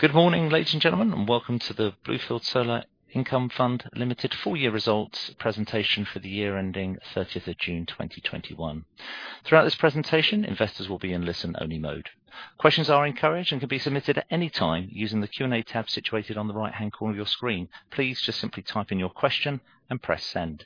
Good morning, ladies and gentlemen, and welcome to the Bluefield Solar Income Fund Limited full year results presentation for the year ending 30th of June 2021. Throughout this presentation, investors will be in listen only mode. Questions are encouraged and can be submitted at any time using the Q&A tab situated on the right-hand corner of your screen. Please just simply type in your question and press send.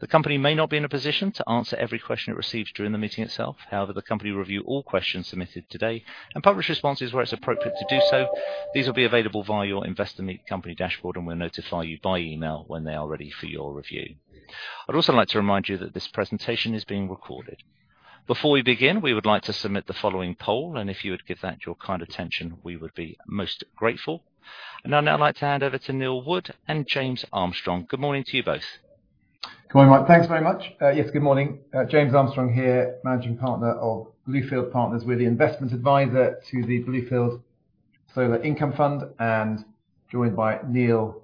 The company may not be in a position to answer every question it receives during the meeting itself. The company will review all questions submitted today and publish responses where it's appropriate to do so. These will be available via your Investor Meet Company dashboard, and we'll notify you by email when they are ready for your review. I'd also like to remind you that this presentation is being recorded. Before we begin, we would like to submit the following poll. If you would give that your kind attention, we would be most grateful. I'd now like to hand over to Neil Wood and James Armstrong. Good morning to you both. Good morning, Mark. Thanks very much. Yes, good morning. James Armstrong here, Managing Partner of Bluefield Partners. We're the Investments Adviser to the Bluefield Solar Income Fund and joined by Neil,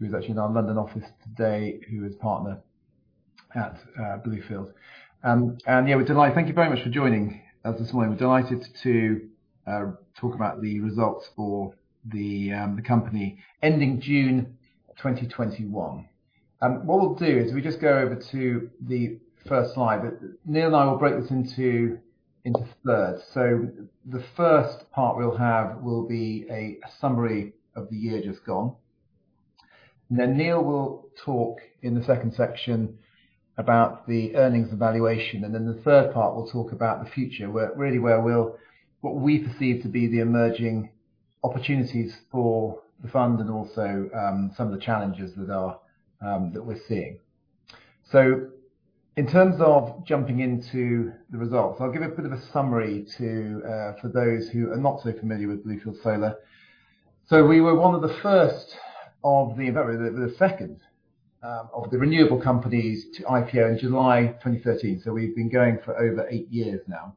who's actually in our London office today, who is Partner at Bluefield. Neil, thank you very much for joining us this morning. We're delighted to talk about the results for the company ending June 2021. What we'll do is we just go over to the first slide. Neil and I will break this into thirds. The first part we'll have will be a summary of the year just gone. Neil will talk in the second section about the earnings evaluation. The third part, we'll talk about the future, really what we perceive to be the emerging opportunities for the fund and also some of the challenges that we're seeing. In terms of jumping into the results, I'll give a bit of a summary for those who are not so familiar with Bluefield Solar. We were one of the first of, the second of the renewable companies to IPO in July 2013. We've been going for over eight years now.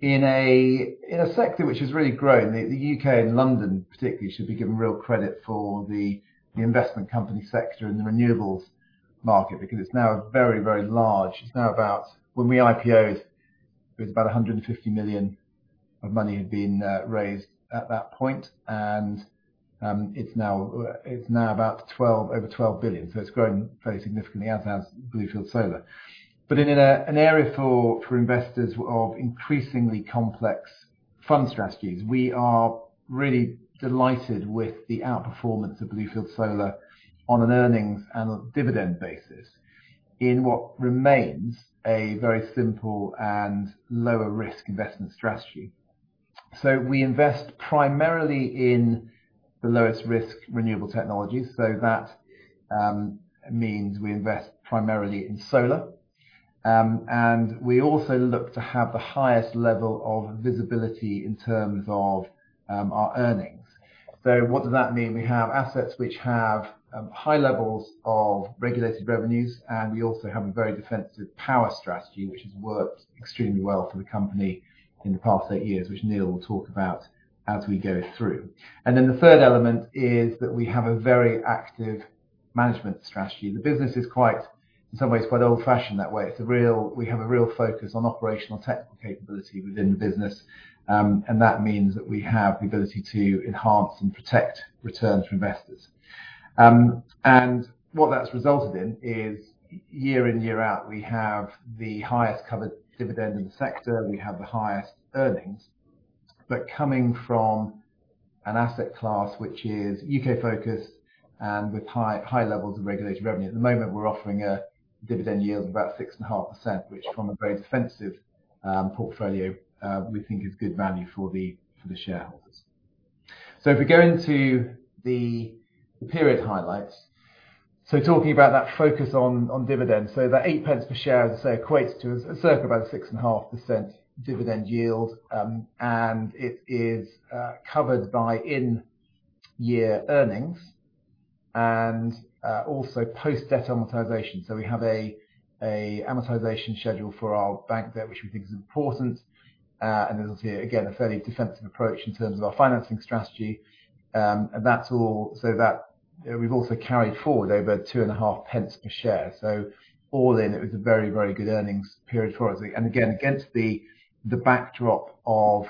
In a sector which has really grown, the U.K. and London particularly should be given real credit for the investment company sector and the renewables market, because it's now very large. When we IPO'd, it was about 150 million of money had been raised at that point. It's now about over 12 billion. It's grown very significantly, as has Bluefield Solar. In an area for investors of increasingly complex fund strategies, we are really delighted with the outperformance of Bluefield Solar on an earnings and a dividend basis in what remains a very simple and lower risk investment strategy. We invest primarily in the lowest risk renewable technologies. That means we invest primarily in solar. We also look to have the highest level of visibility in terms of our earnings. What does that mean? We have assets which have high levels of regulated revenues. We also have a very defensive power strategy, which has worked extremely well for the company in the past eight years, which Neil will talk about as we go through. The third element is that we have a very active management strategy. The business is quite, in some ways, quite old-fashioned that way. We have a real focus on operational tech capability within the business. That means that we have the ability to enhance and protect returns for investors. What that's resulted in is year in, year out, we have the highest covered dividend in the sector. We have the highest earnings. Coming from an asset class which is U.K.-focused and with high levels of regulated revenue. At the moment, we're offering a dividend yield of about 6.5%, which from a very defensive portfolio, we think is good value for the shareholders. If we go into the period highlights. Talking about that focus on dividends. That 0.08 per share, as I say, equates to circa about a 6.5% dividend yield. It is covered by in year earnings and also post debt amortization. We have an amortization schedule for our bank debt, which we think is important. As you'll see, again, a fairly defensive approach in terms of our financing strategy. We've also carried forward over 0.025 per share. All in, it was a very good earnings period for us. Again, against the backdrop of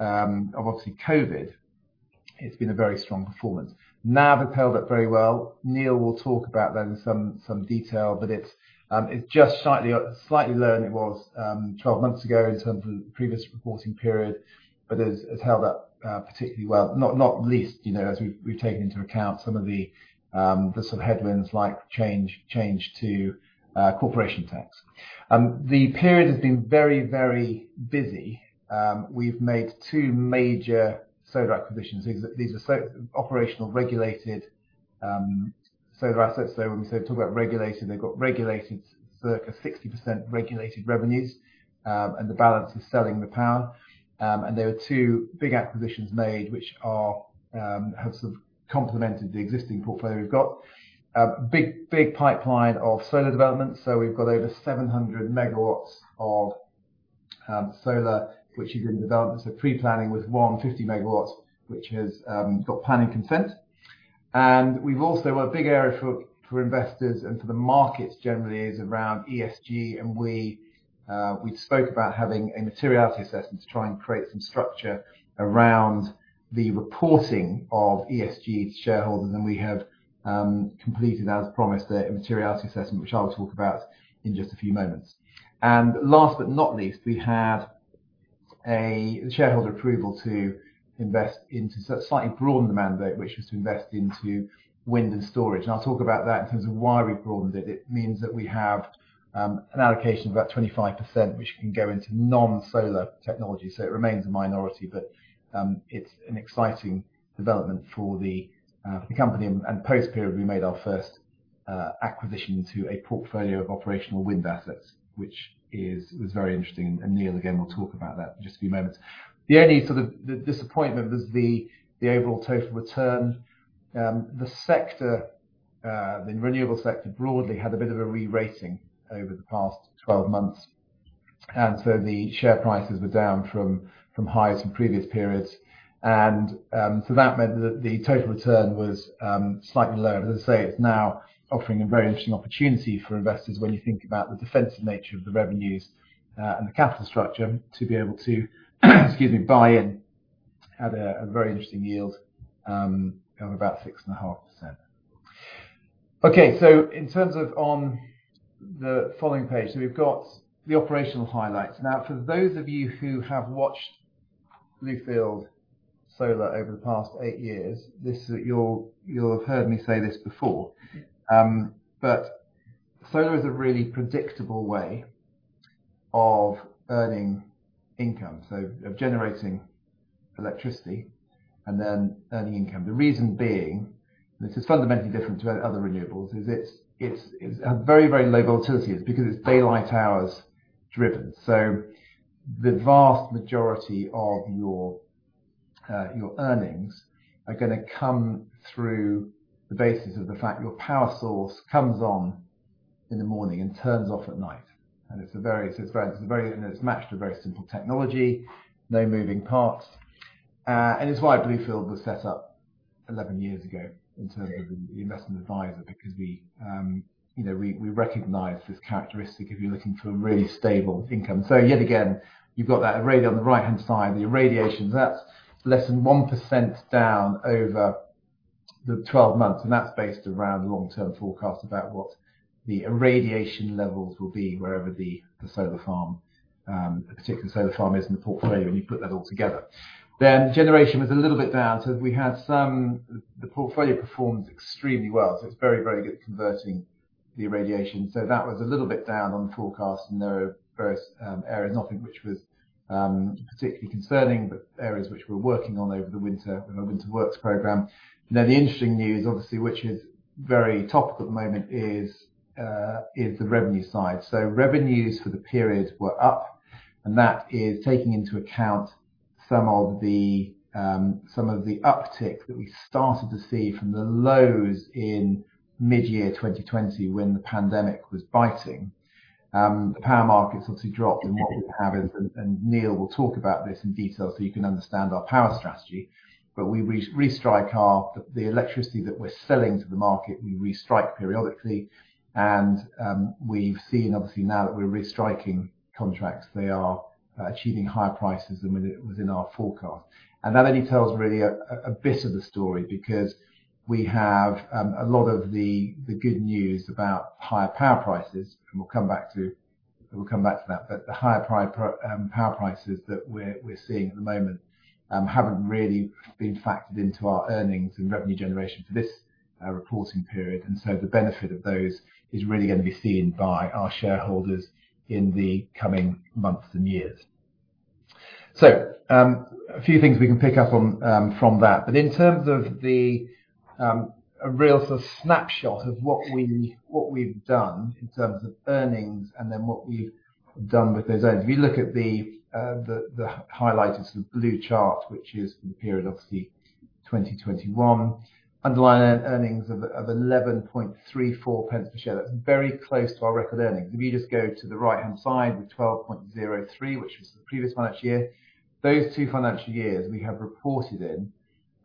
obviously COVID, it's been a very strong performance. NAV held up very well. Neil will talk about that in some detail, but it's just slightly lower than it was 12 months ago in terms of previous reporting period. It's held up particularly well, not least as we've taken into account some of the sort of headwinds like change to corporation tax. The period has been very busy. We've made two major solar acquisitions. These are operational regulated solar assets. When we talk about regulated, they've got circa 60% regulated revenues. The balance is selling the power. There are two big acquisitions made which have sort of complemented the existing portfolio. We've got a big pipeline of solar developments. We've got over 700 MW of solar, which is in development. Pre-planning with 150 MW, which has got planning consent. A big area for investors and for the markets generally is around ESG, and we spoke about having a materiality assessment to try and create some structure around the reporting of ESG to shareholders. We have completed, as promised, a materiality assessment, which I'll talk about in just a few moments. Last but not least, we had a shareholder approval to slightly broaden the mandate, which was to invest into wind and storage. I'll talk about that in terms of why we broadened it. It means that we have an allocation of about 25%, which can go into non-solar technology. It remains a minority, but it's an exciting development for the company. Post-period, we made our first acquisition into a portfolio of operational wind assets, which was very interesting. Neil, again, will talk about that in just a few moments. The only sort of disappointment was the overall total return. The renewable sector broadly had a bit of a re-rating over the past 12 months, and so the share prices were down from highs in previous periods. That meant that the total return was slightly lower. As I say, it's now offering a very interesting opportunity for investors when you think about the defensive nature of the revenues and the capital structure to be able to, excuse me, buy in at a very interesting yield of about 6.5%. Okay. On the following page, we've got the operational highlights. For those of you who have watched Bluefield Solar over the past eight years, you'll have heard me say this before. Solar is a really predictable way of earning income, so of generating electricity, and then earning income. The reason being, this is fundamentally different to other renewables, is it's a very low volatility because it's daylight hours driven. The vast majority of your earnings are going to come through the basis of the fact your power source comes on in the morning and turns off at night. It's matched with very simple technology, no moving parts. It's why Bluefield was set up 11 years ago in terms of the Investment Adviser, because we recognized this characteristic if you're looking for a really stable income. Yet again, you've got that array on the right-hand side, the irradiation, that's less than 1% down over the 12 months. That's based around the long-term forecast about what the irradiation levels will be wherever the particular solar farm is in the portfolio and you put that all together. Generation was a little bit down. The portfolio performs extremely well. It's very good at converting the irradiation. That was a little bit down on the forecast, and there are various areas, nothing which was particularly concerning, but areas which we're working on over the winter, our winter works programme. The interesting news obviously, which is very topical at the moment is the revenue side. Revenues for the periods were up, and that is taking into account some of the uptick that we started to see from the lows in mid-year 2020 when the pandemic was biting. The power markets obviously dropped and what we have is, and Neil will talk about this in detail so you can understand our power strategy. The electricity that we're selling to the market, we restrike periodically. We've seen, obviously, now that we're restriking contracts, they are achieving higher prices than what was in our forecast. That only tells really a bit of the story because we have a lot of the good news about higher power prices, and we'll come back to that. The higher power prices that we're seeing at the moment haven't really been factored into our earnings and revenue generation for this reporting period. The benefit of those is really going to be seen by our shareholders in the coming months and years. A few things we can pick up from that. In terms of a real snapshot of what we've done in terms of earnings, and then what we've done with those earnings. If you look at the highlighted blue chart, which is the period of the 2021, underlying earnings of 0.1134 per share. That's very close to our record earnings. If you just go to the right-hand side with 0.1203, which was the previous financial year. Those two financial years we have reported in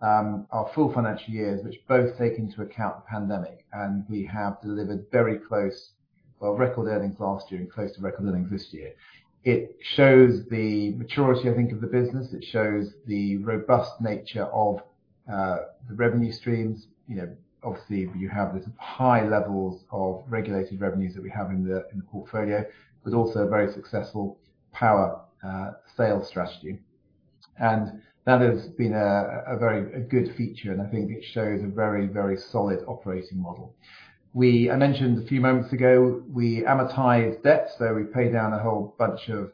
are full financial years, which both take into account the pandemic. We have delivered very close, well, record earnings last year and close to record earnings this year. It shows the maturity, I think, of the business. It shows the robust nature of the revenue streams. Obviously, you have these high levels of regulated revenues that we have in the portfolio, but also a very successful power sales strategy. That has been a very good feature, and I think it shows a very solid operating model. I mentioned a few moments ago, we amortize debt. We pay down a whole bunch of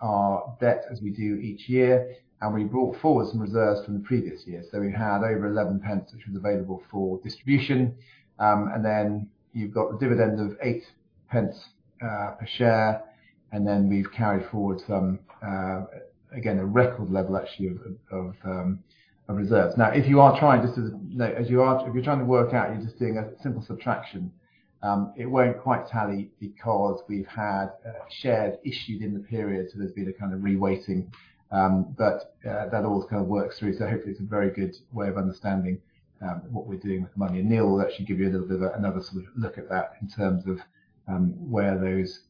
our debt as we do each year, and we brought forward some reserves from the previous year. We had over 0.11, which was available for distribution. Then you've got the dividend of 0.08 per share. We've carried forward again, a record level, actually, of reserves. Now, if you're trying to work out, you're just doing a simple subtraction. It won't quite tally, because we've had shares issued in the period. There's been a kind of re-weighting. That all kind of works through, so hopefully it's a very good way of understanding what we're doing with the money. Neil will actually give you a little bit of another look at that in terms of where those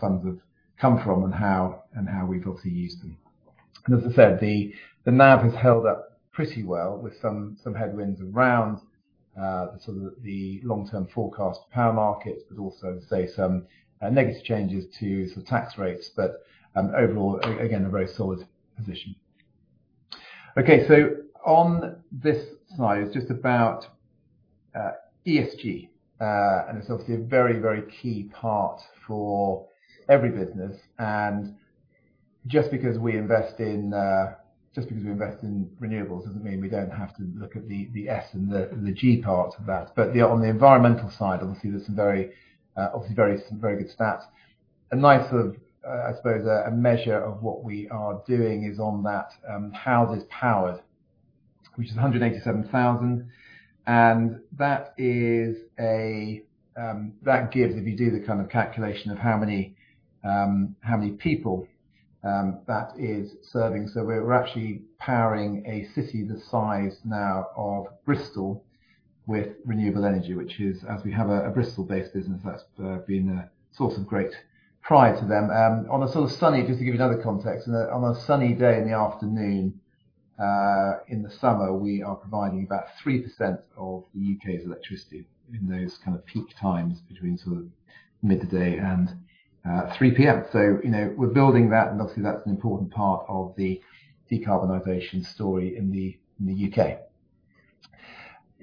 funds have come from and how we've obviously used them. As I said, the NAV has held up pretty well with some headwinds around the long-term forecast power markets, but also some negative changes to some tax rates. Overall, again, a very solid position. Okay. On this slide, it's just about ESG. It's obviously a very, very key part for every business. Just because we invest in renewables doesn't mean we don't have to look at the S and the G part of that. On the environmental side, obviously, there's some very good stats. A nicer, I suppose, measure of what we are doing is on that houses powered, which is 187,000 houses, and that gives, if you do the calculation of how many people that is serving. We're actually powering a city the size now of Bristol with renewable energy, which is, as we have a Bristol-based business. That's been a source of great pride to them. Just to give you another context. On a sunny day in the afternoon, in the summer, we are providing about 3% of the U.K.'s electricity in those peak times between midday and 3:00 P.M. We're building that, and obviously that's an important part of the decarbonization story in the U.K.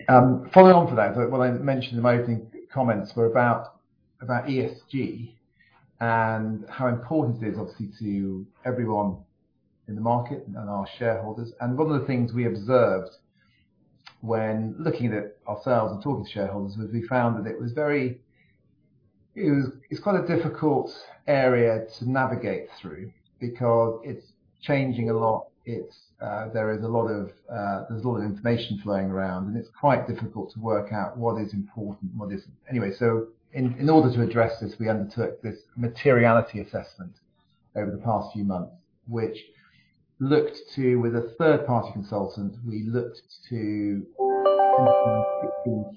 Following on from that, what I mentioned in my opening comments were about ESG and how important it is obviously to everyone in the market and our shareholders. One of the things we observed when looking at it ourselves and talking to shareholders was we found that it's quite a difficult area to navigate through, because it's changing a lot. There's a lot of information flying around, and it's quite difficult to work out what is important and what isn't. In order to address this, we undertook this materiality assessment over the past few months. With a third-party consultant, we looked to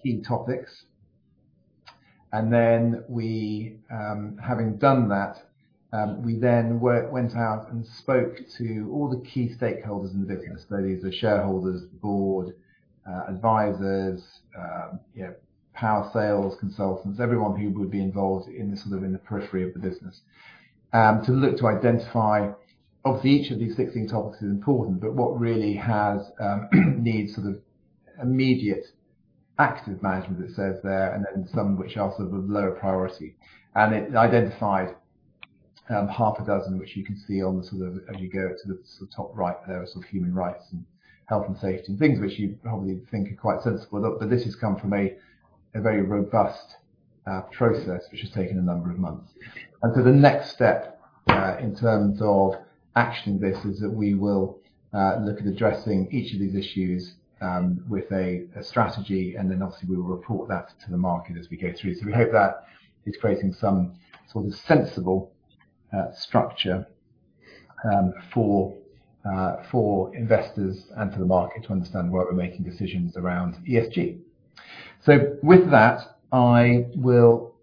key topics. Having done that, we then went out and spoke to all the key stakeholders in the business. These are shareholders, Board, advisors, power sales consultants. Everyone who would be involved in the periphery of the business, to look, to identify of each of these 16 topics is important, but what really needs immediate active management that says there. Some which are sort of lower priority. It identified half a dozen, which you can see as you go to the top right there, human rights, and health and safety, and things which you probably think are quite sensible. This has come from a very robust process, which has taken a number of months. The next step in terms of actioning this is that we will look at addressing each of these issues with a strategy, and then obviously we will report that to the market as we go through. We hope that is creating some sort of sensible structure for investors and for the market to understand where we're making decisions around ESG. With that, I will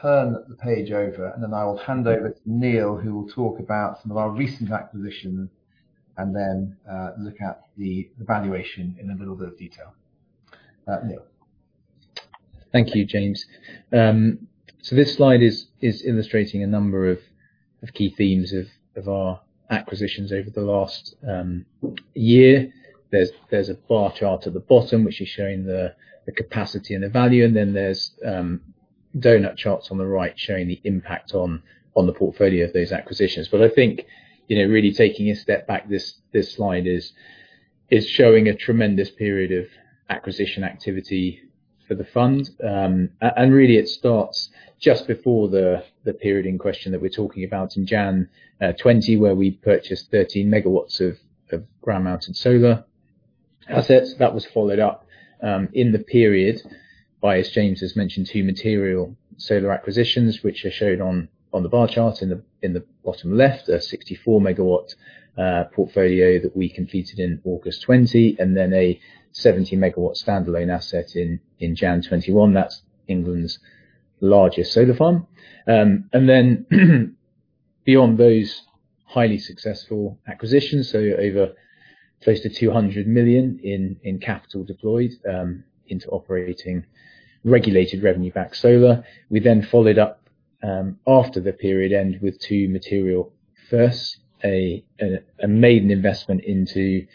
turn the page over. Then, I will hand over to Neil, who will talk about some of our recent acquisitions and then look at the valuation in a little bit of detail. Neil. Thank you, James. This slide is illustrating a number of key themes of our acquisitions over the last year. There's a bar chart at the bottom, which is showing the capacity and the value. Then, there's donut charts on the right showing the impact on the portfolio of those acquisitions. I think really taking a step back, this slide is showing a tremendous period of acquisition activity for the fund. Really it starts just before the period in question that we're talking about in January 2020, where we purchased 13 MW of ground-mounted solar assets. That was followed up in the period by, as James has mentioned, two material solar acquisitions, which are shown on the bar chart in the bottom left. A 64 MW portfolio that we completed in August 2020, and then a 70 MW standalone asset in January 2021. That's England's largest solar farm. Beyond those highly successful acquisitions, over close to 200 million in capital deployed into operating regulated revenue-backed solar. We followed up after the period end with two material firsts, a maiden investment into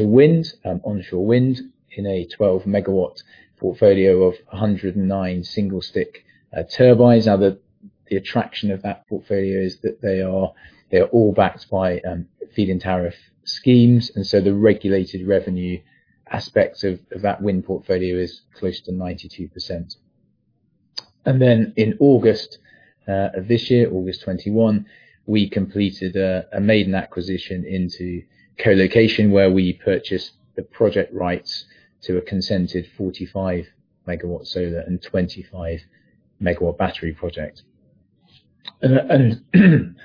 wind, on onshore wind in a 12-MW portfolio of 109 single-stick turbines. The attraction of that portfolio is that they're all backed by feed-in tariff schemes. The regulated revenue aspects of that wind portfolio is close to 92%. In August of this year, August 2021, we completed a maiden acquisition into co-location, where we purchased the project rights to a consented 45-MW solar and 25-MW battery project. Beyond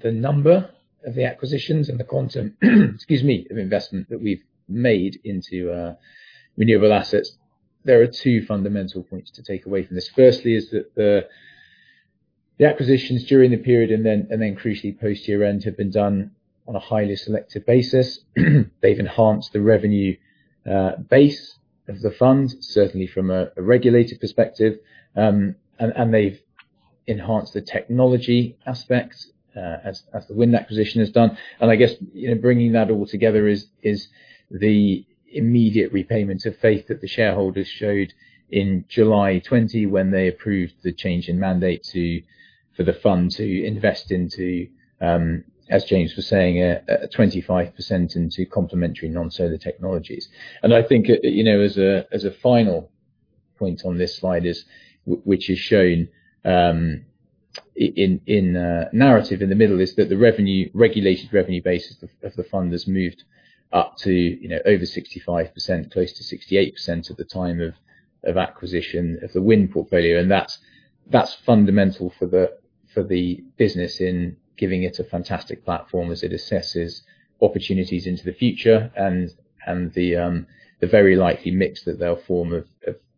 the number of the acquisitions and the quantum, excuse me, of investment that we've made into our renewable assets. There are two fundamental points to take away from this. Firstly is that the acquisitions during the period and then crucially post year-end have been done on a highly selective basis. They've enhanced the revenue base of the fund, certainly from a regulated perspective. They've enhanced the technology aspects as the wind acquisition has done. I guess bringing that all together is the immediate repayment of faith that the shareholders showed in July 2020, when they approved the change in mandate for the fund to invest into, as James was saying, at 25% into complementary non-solar technologies. I think as a final point on this slide, which is shown in narrative in the middle, is that the regulated revenue base of the fund has moved up to over 65%, close to 68% at the time of acquisition of the wind portfolio. That's fundamental for the business in giving it a fantastic platform as it assesses opportunities into the future and the very likely mix that they'll form of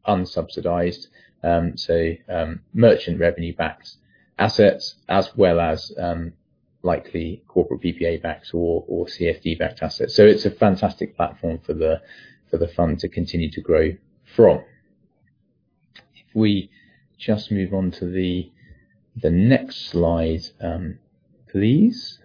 unsubsidized, say merchant revenue-backed assets, as well as likely corporate PPA-backed or CfD-backed assets. It's a fantastic platform for the fund to continue to grow from. If we just move on to the next slide, please.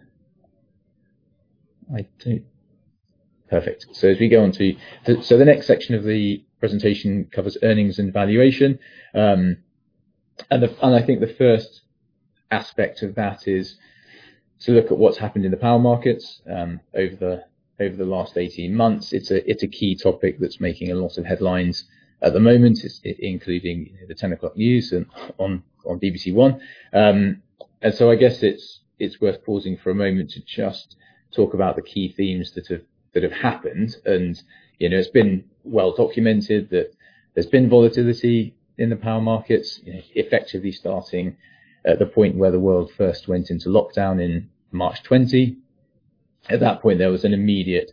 Perfect. The next section of the presentation covers earnings and valuation. I think the first aspect of that is to look at what's happened in the power markets over the last 18 months. It's a key topic that's making a lot of headlines at the moment, including the 10 o'clock news on BBC One. I guess it's worth pausing for a moment to just talk about the key themes that have happened. It's been well documented that there's been volatility in the power markets, effectively starting at the point where the world first went into lockdown in March 2020. At that point, there was an immediate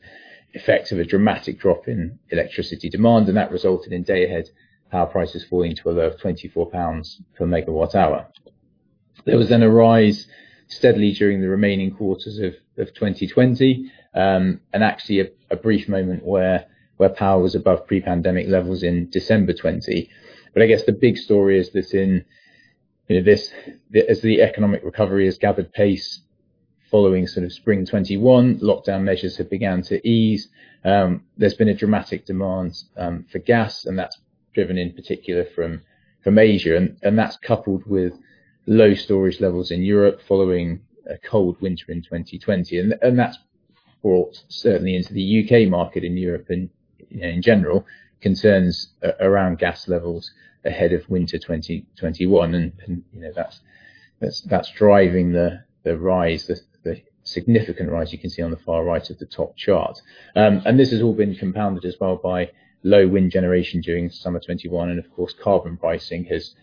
effect of a dramatic drop in electricity demand. That resulted in day ahead power prices falling to below 24 pounds per megawatt hour. There was then a rise steadily during the remaining quarters of 2020, and actually a brief moment where power was above pre-pandemic levels in December 2020. I guess the big story is that as the economic recovery has gathered pace following spring 2021, lockdown measures have began to ease. There's been a dramatic demand for gas, and that's driven in particular from Asia. That's coupled with low storage levels in Europe following a cold winter in 2020. That's brought certainly into the U.K. market, in Europe in general, concerns around gas levels ahead of winter 2021. That's driving the rise, the significant rise you can see on the far right of the top chart. This has all been compounded as well by low wind generation during summer 2021. Of course, carbon pricing has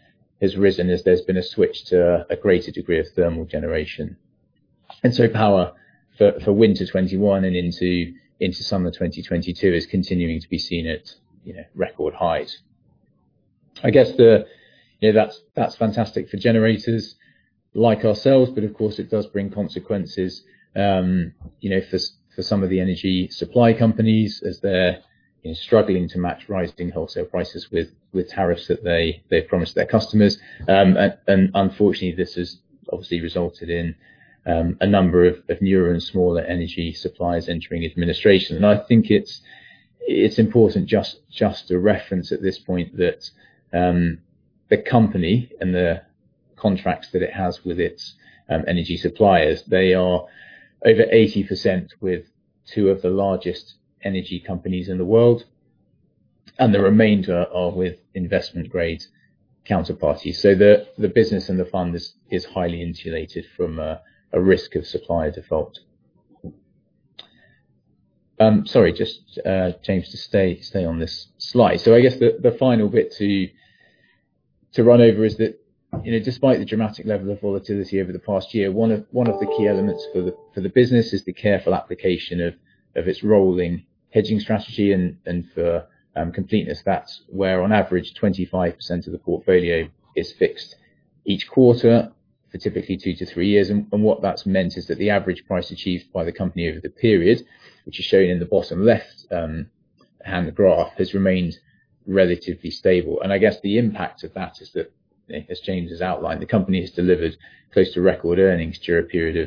risen as there's been a switch to a greater degree of thermal generation. Power for winter 2021 and into summer 2022 is continuing to be seen at record highs. I guess that's fantastic for generators like ourselves. Of course, it does bring consequences for some of the energy supply companies as they're struggling to match rising wholesale prices with tariffs that they promised their customers. Unfortunately, this has obviously resulted in a number of newer and smaller energy suppliers entering administration. I think it is important just to reference at this point that the company and the contracts that it has with its energy suppliers. They are over 80% with two of the largest energy companies in the world, and the remainder are with investment-grade counterparties. The business and the fund is highly insulated from a risk of supplier default. Sorry, just, James, stay on this slide. I guess the final bit to run over is that despite the dramatic level of volatility over the past year, one of the key elements for the business is the careful application of its rolling hedging strategy. For completeness, that is where on average, 25% of the portfolio is fixed each quarter for typically two to three years. What that's meant is that the average price achieved by the company over the period, which is shown in the bottom left-hand graph, has remained relatively stable. I guess the impact of that is that, as James has outlined, the company has delivered close to record earnings through a period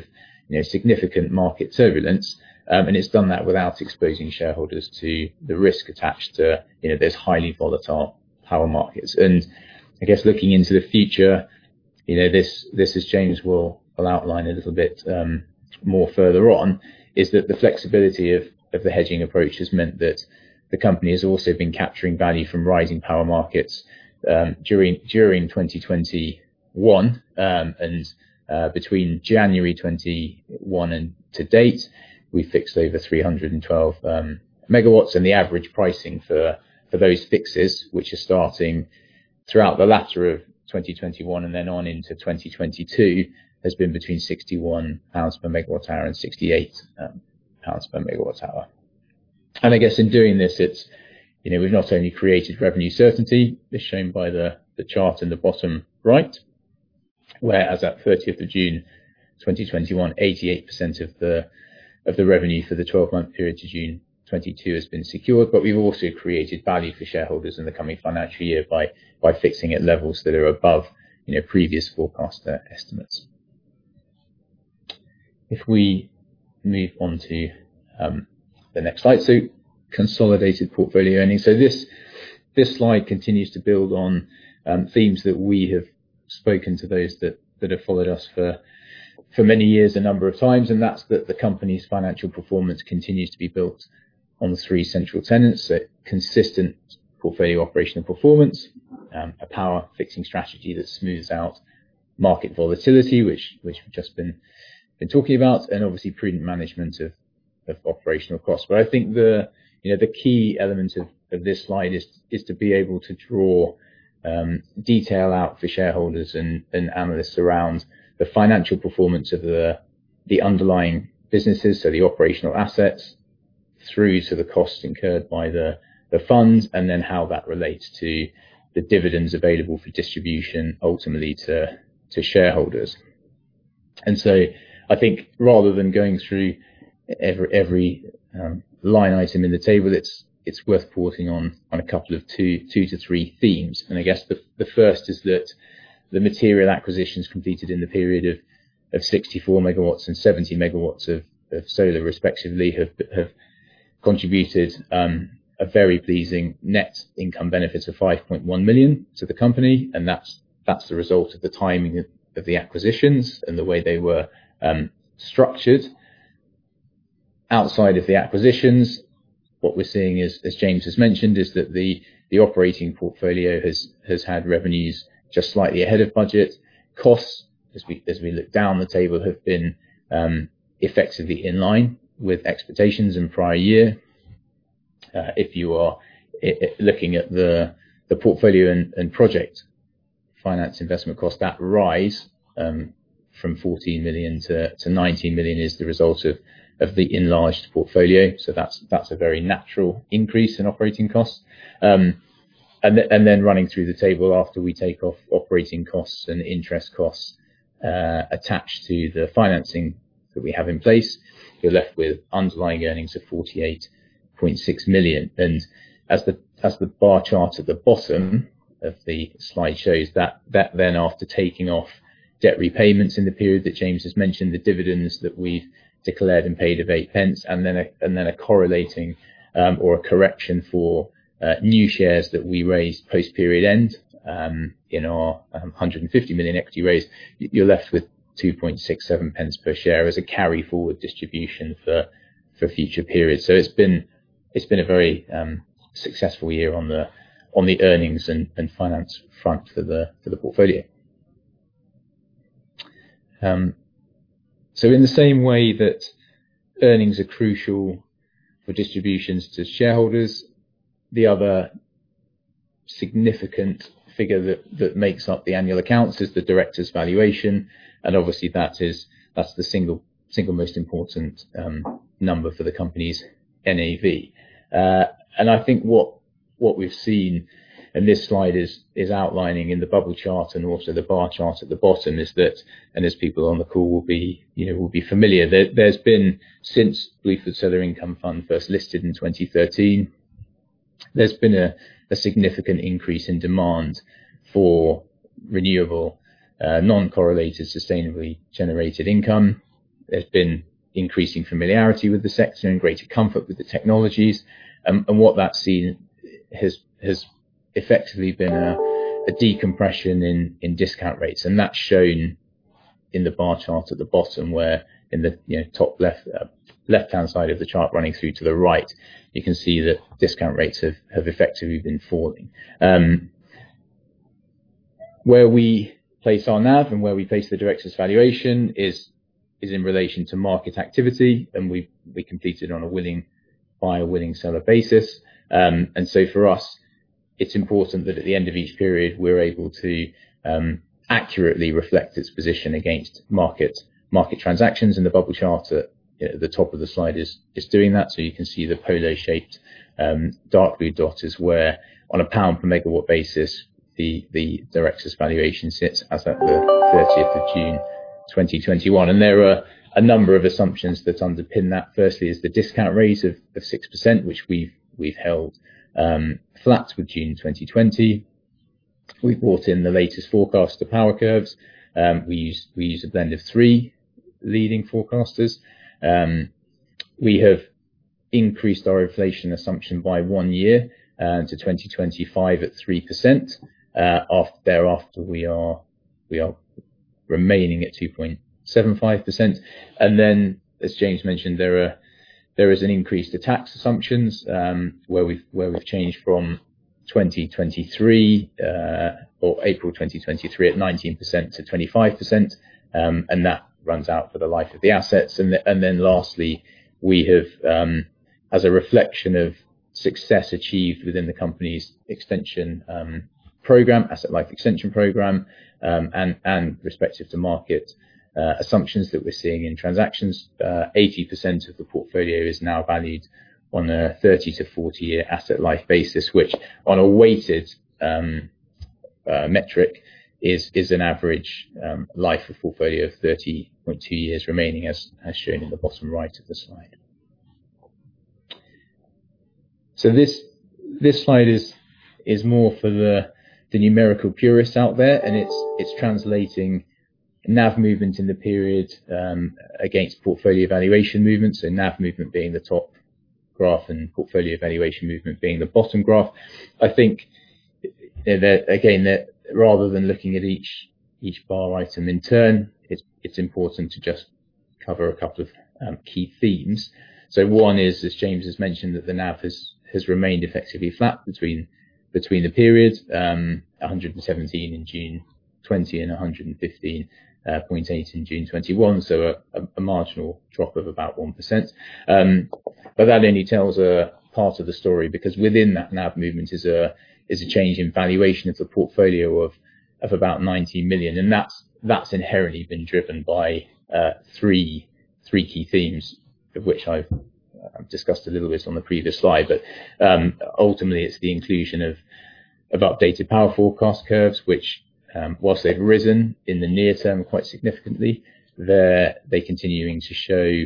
of significant market turbulence. It's done that without exposing shareholders to the risk attached to this highly volatile power markets. I guess looking into the future, as James will outline a little bit more further on, is that the flexibility of the hedging approach has meant that the company has also been capturing value from rising power markets during 2021. Between January 2021 and to date, we fixed over 312 MW. The average pricing for those fixes, which are starting throughout the latter of 2021 and then on into 2022, has been between 61 pounds per megawatt hour and 68 pounds per megawatt hour. I guess in doing this, we've not only created revenue certainty, as shown by the chart in the bottom right. Whereas at 30th of June 2021, 88% of the revenue for the 12-month period to June 2022 has been secured. We've also created value for shareholders in the coming financial year by fixing at levels that are above previous forecast estimates. If we move on to the next slide. Consolidated portfolio earnings. This slide continues to build on themes that we have spoken to those that have followed us for many years, a number of times, and that's that the company's financial performance continues to be built on the three central tenets. Consistent portfolio operational performance, a power fixing strategy that smooths out market volatility, which we've just been talking about, and obviously prudent management of operational cost. I think the key element of this slide is to be able to draw detail out for shareholders and analysts around the financial performance of the underlying businesses. The operational assets through to the cost incurred by the funds, and then how that relates to the dividends available for distribution ultimately to shareholders. I think rather than going through every line item in the table, it's worth pausing on a couple of two to three themes. I guess the first is that the material acquisitions completed in the period of 64 MW and 70 MW of solar respectively have contributed a very pleasing net income benefit of 5.1 million to the company. That's the result of the timing of the acquisitions and the way they were structured. Outside of the acquisitions, what we're seeing, as James has mentioned, is that the operating portfolio has had revenues just slightly ahead of budget. Costs, as we look down the table, have been effectively in line with expectations in prior year. If you are looking at the portfolio and project finance investment cost, that rise from 14 million to 19 million is the result of the enlarged portfolio. That's a very natural increase in operating costs. Running through the table after we take off operating costs and interest costs attached to the financing that we have in place, you're left with underlying earnings of 48.6 million. As the bar chart at the bottom of the slide shows, that then after taking off debt repayments in the period that James has mentioned, the dividends that we've declared and paid of 0.08, and then a correlating or a correction for new shares that we raised post period end in our 150 million equity raise. You're left with 0.0267 per share as a carry forward distribution for future periods. It's been a very successful year on the earnings and finance front for the portfolio. In the same way that earnings are crucial for distributions to shareholders, the other significant figure that makes up the annual accounts is the Directors' Valuation. Obviously that's the single most important number for the company's NAV. I think what we've seen in this slide is outlining in the bubble chart and also the bar chart at the bottom is that, as people on the call will be familiar since Bluefield Solar Income Fund first listed in 2013, there's been a significant increase in demand for renewable, non-correlated, sustainably generated income. There's been increasing familiarity with the sector and greater comfort with the technologies. What that's seen has effectively been a decompression in discount rates, and that's shown in the bar chart at the bottom where in the top left-hand side of the chart running through to the right. You can see that discount rates have effectively been falling. Where we place our NAV and where we place the Directors' Valuation is in relation to market activity. We completed on a willing buyer, willing seller basis. For us, it's important that at the end of each period, we're able to accurately reflect its position against market transactions. The bubble chart at the top of the slide is just doing that. You can see the polo-shaped dark blue dot is where on a pound per megawatt basis, the Directors' Valuation sits as at the 30th of June 2021. There are a number of assumptions that underpin that. Firstly is the discount rate of 6%, which we've held flat with June 2020. We brought in the latest forecast, the power curves. We use a blend of three leading forecasters. We have increased our inflation assumption by one year to 2025 at 3%. Thereafter, we are remaining at 2.75%. As James mentioned, there is an increase to tax assumptions, where we've changed from 2023 or April 2023 at 19% to 25%. That runs out for the life of the assets. As a reflection of success achieved within the company's asset life extension programme, and respective to market assumptions that we're seeing in transactions, 80% of the portfolio is now valued on a 30-year to 40-year asset life basis, which on a weighted metric is an average life of portfolio of 30.2 years remaining, as shown in the bottom right of the slide. This slide is more for the numerical purists out there, and it's translating NAV movement in the period against portfolio valuation movements and NAV movement being the top graph and portfolio valuation movement being the bottom graph. I think that again, rather than looking at each bar item in turn, it's important to just cover a couple of key themes. One is, as James has mentioned, that the NAV has remained effectively flat between the periods, 1.17 in June 2020, and 1.158 in June 2021. A marginal drop of about 1%. That only tells a part of the story because within that NAV movement is a change in valuation of the portfolio of about 90 million. That's inherently been driven by three key themes, of which I've discussed a little bit on the previous slide. Ultimately, it's the inclusion of updated power forecast curves, which, whilst they've risen in the near term quite significantly, they're continuing to show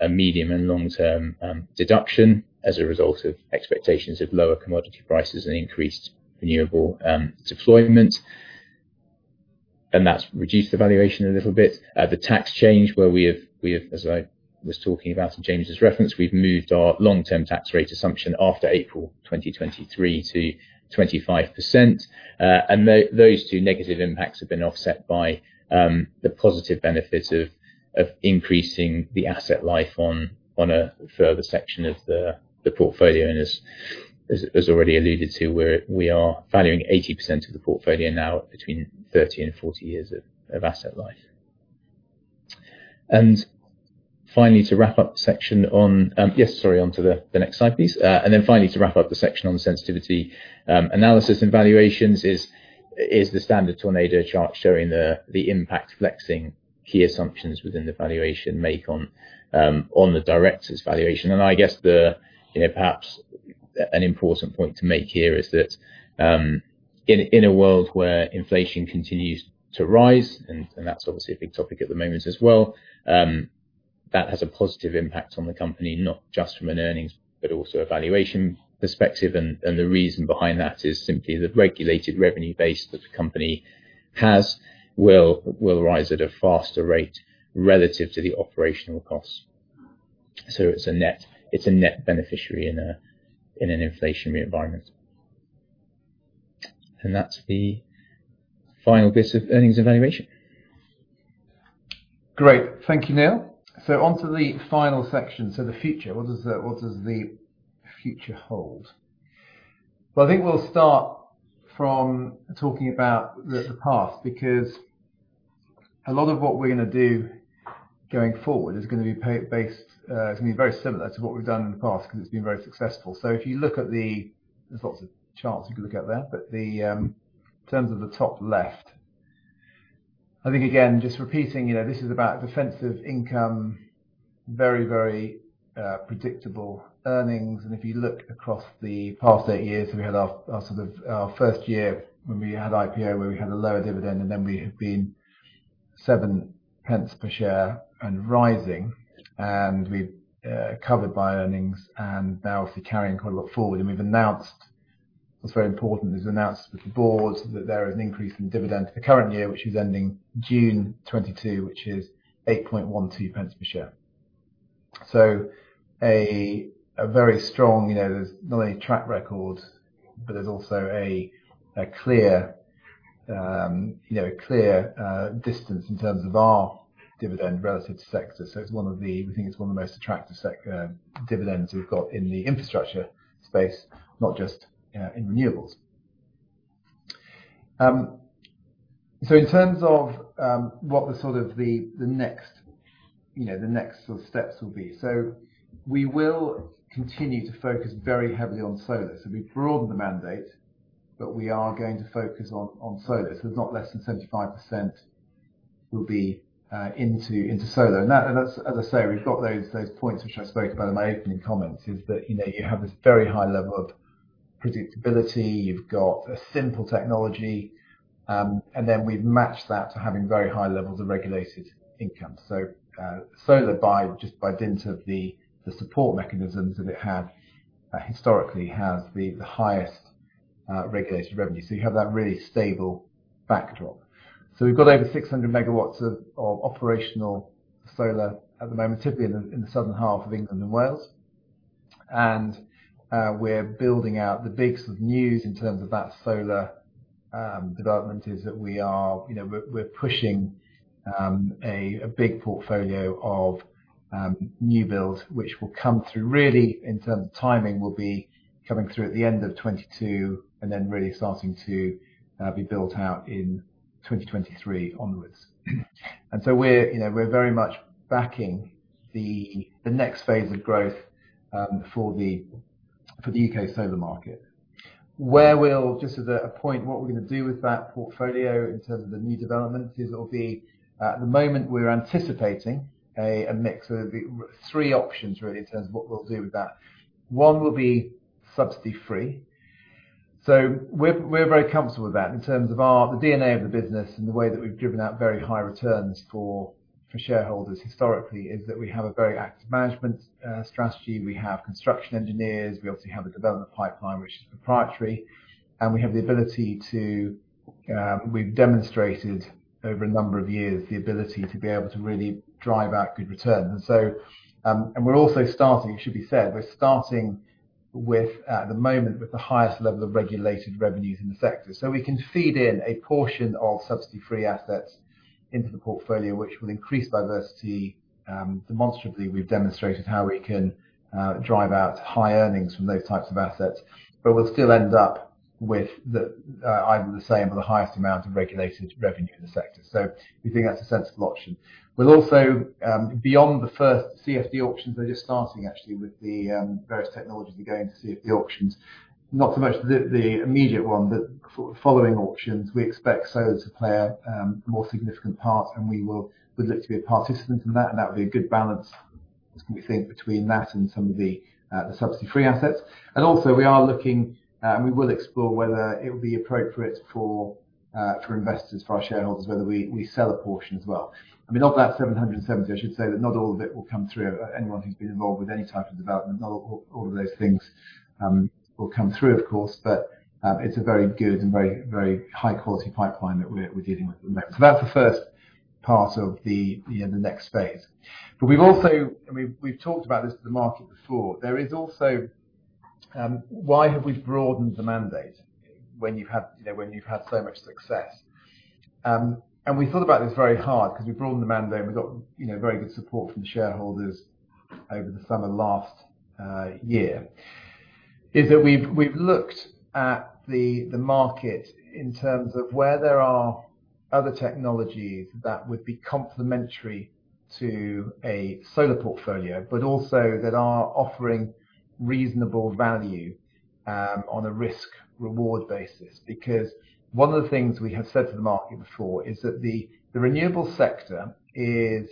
a medium and long-term deduction as a result of expectations of lower commodity prices and increased renewable deployment. That's reduced the valuation a little bit. The tax change where we have, as I was talking about and James has referenced, we've moved our long-term tax rate assumption after April 2023 to 25%. Those two negative impacts have been offset by the positive benefit of increasing the asset life on a further section of the portfolio. As already alluded to, we are valuing 80% of the portfolio now between 30 and 40 years of asset life. Finally, yes, sorry, onto the next slide, please. Finally to wrap up the section on sensitivity analysis and valuations is the standard tornado chart showing the impact flexing key assumptions within the valuation make on the Directors' Valuation. I guess perhaps an important point to make here is that in a world where inflation continues to rise, and that's obviously a big topic at the moment as well, that has a positive impact on the company. Not just from an earnings, but also a valuation perspective. The reason behind that is simply the regulated revenue base that the company has will rise at a faster rate relative to the operational cost. It's a net beneficiary in an inflationary environment. That's the final bit of earnings evaluation. Great. Thank you, Neil. On to the final section. The future. What does the future hold? Well, I think we'll start from talking about the past. A lot of what we're going to do going forward is going to be very similar to what we've done in the past, because it's been very successful. There's lots of charts you can look at there. In terms of the top left, I think, again, just repeating. This is about defensive income, very predictable earnings. If you look across the past eight years, we had our first year when we had IPO, where we had a lower dividend, and then we have been 0.07 per share and rising. We've covered by earnings and now obviously carrying quite a lot forward. We've announced what's very important is announced that the Boards, that there is an increase in dividend for the current year, which is ending June 2022, which is GBP 0.0812 per share. A very strong, there's not only track record, but there's also a clear distance in terms of our dividend relative to sector. We think it's one of the most attractive dividends we've got in the infrastructure space, not just in renewables. In terms of what the next sort of steps will be. We will continue to focus very heavily on solar. We broaden the mandate, but we are going to focus on solar. It's not less than 75% will be into solar. As I say, we've got those points which I spoke about in my opening comments, is that you have this very high level of predictability, you've got a simple technology, and then we've matched that to having very high levels of regulated income. Solar, just by dint of the support mechanisms that it had, historically has the highest regulated revenue. You have that really stable backdrop. We've got over 600 MW of operational solar at the moment, typically in the southern half of England and Wales. We're building out. The big sort of news in terms of that solar development is that we're pushing a big portfolio of new builds, which will come through really in terms of timing, will be coming through at the end of 2022 and then really starting to be built out in 2023 onwards. We're very much backing the next phase of growth for the U.K. solar market. Where we'll, just as a point. What we're going to do with that portfolio in terms of the new developments, is it will be at the moment we are anticipating a mix of three options really, in terms of what we'll do with that. One will be subsidy-free. We're very comfortable with that in terms of the DNA of the business and the way that we've driven out very high returns for shareholders historically, is that we have a very active management strategy. We have construction engineers. We obviously have a development pipeline, which is proprietary. We have the ability to, we've demonstrated over a number of years, the ability to be able to really drive out good returns. We're also starting, it should be said, we're starting with, at the moment, with the highest level of regulated revenues in the sector. We can feed in a portion of subsidy-free assets into the portfolio, which will increase diversity. Demonstratively, we've demonstrated how we can drive out high earnings from those types of assets, but we'll still end up with either the same or the highest amount of regulated revenue in the sector. We think that's a sensible option. We'll also, beyond the first CfD auctions, we're just starting actually with the various technologies we're going to see at the auctions. Not so much the immediate one, the following auctions. We expect solar to play a more significant part and we would look to be a participant in that, and that would be a good balance, as we think, between that and some of the subsidy-free assets. Also we are looking, and we will explore whether it would be appropriate for investors, for our shareholders, whether we sell a portion as well. I mean, of that 770 MWp, I should say that not all of it will come through. Anyone who's been involved with any type of development, know all of those things will come through, of course. It's a very good and very high-quality pipeline that we're dealing with at the moment. That's the first part of the next phase. We've also, and we've talked about this with the market before. There is also, why have we broadened the mandate when you've had so much success? We thought about this very hard because we broadened the mandate and we got very good support from shareholders over the summer last year, is that we've looked at the market in terms of where there are other technologies that would be complementary to a solar portfolio, but also that are offering reasonable value on a risk-reward basis. One of the things we have said to the market before is that the renewable sector is,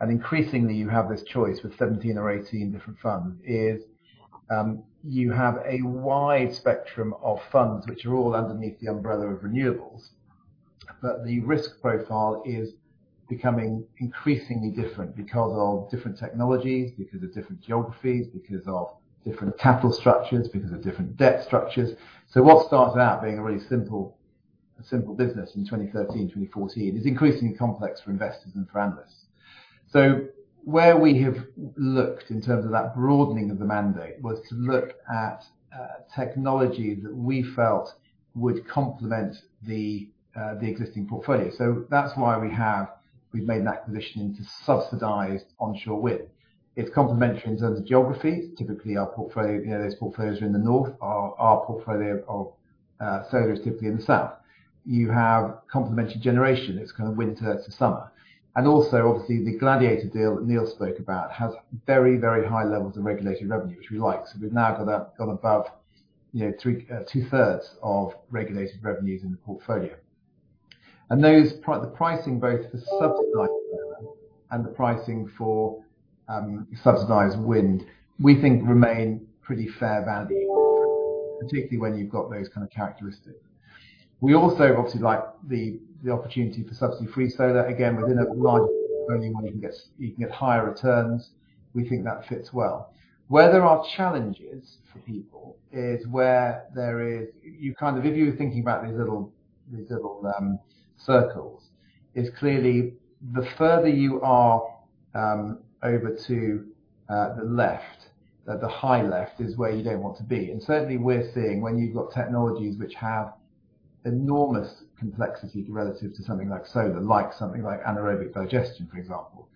and increasingly you have this choice with 17 or 18 different funds, is you have a wide spectrum of funds which are all underneath the umbrella of renewables. But the risk profile is becoming increasingly different because of different technologies, because of different geographies, because of different capital structures, because of different debt structures. What starts out being a really simple business in 2013, 2014, is increasingly complex for investors and for analysts. Where we have looked in terms of that broadening of the mandate was to look at technology that we felt would complement the existing portfolio. That's why we've made an acquisition into subsidized onshore wind. It's complementary in terms of geography. Typically, those portfolios are in the north. Our portfolio of solar is typically in the south. You have complementary generation. It's kind of winter to summer. Also, obviously, the Gladiator deal that Neil spoke about has very high levels of regulated revenue, which we like. We've now got above 2/3 of regulated revenues in the portfolio. The pricing both for subsidized solar and the pricing for subsidized wind, we think remain pretty fair value particularly when you've got those kind of characteristics. We also obviously like the opportunity for subsidy-free solar, again, within a [large-scale portfolio only one] can guess, can get higher returns. We think that fits well. Where there are challenges for people is where there is, if you were thinking about these little circles, is clearly the further you are over to the left. The high left is where you don't want to be. Certainly, we're seeing when you've got technologies which have enormous complexity relative to something like solar, like something like anaerobic digestion, for example.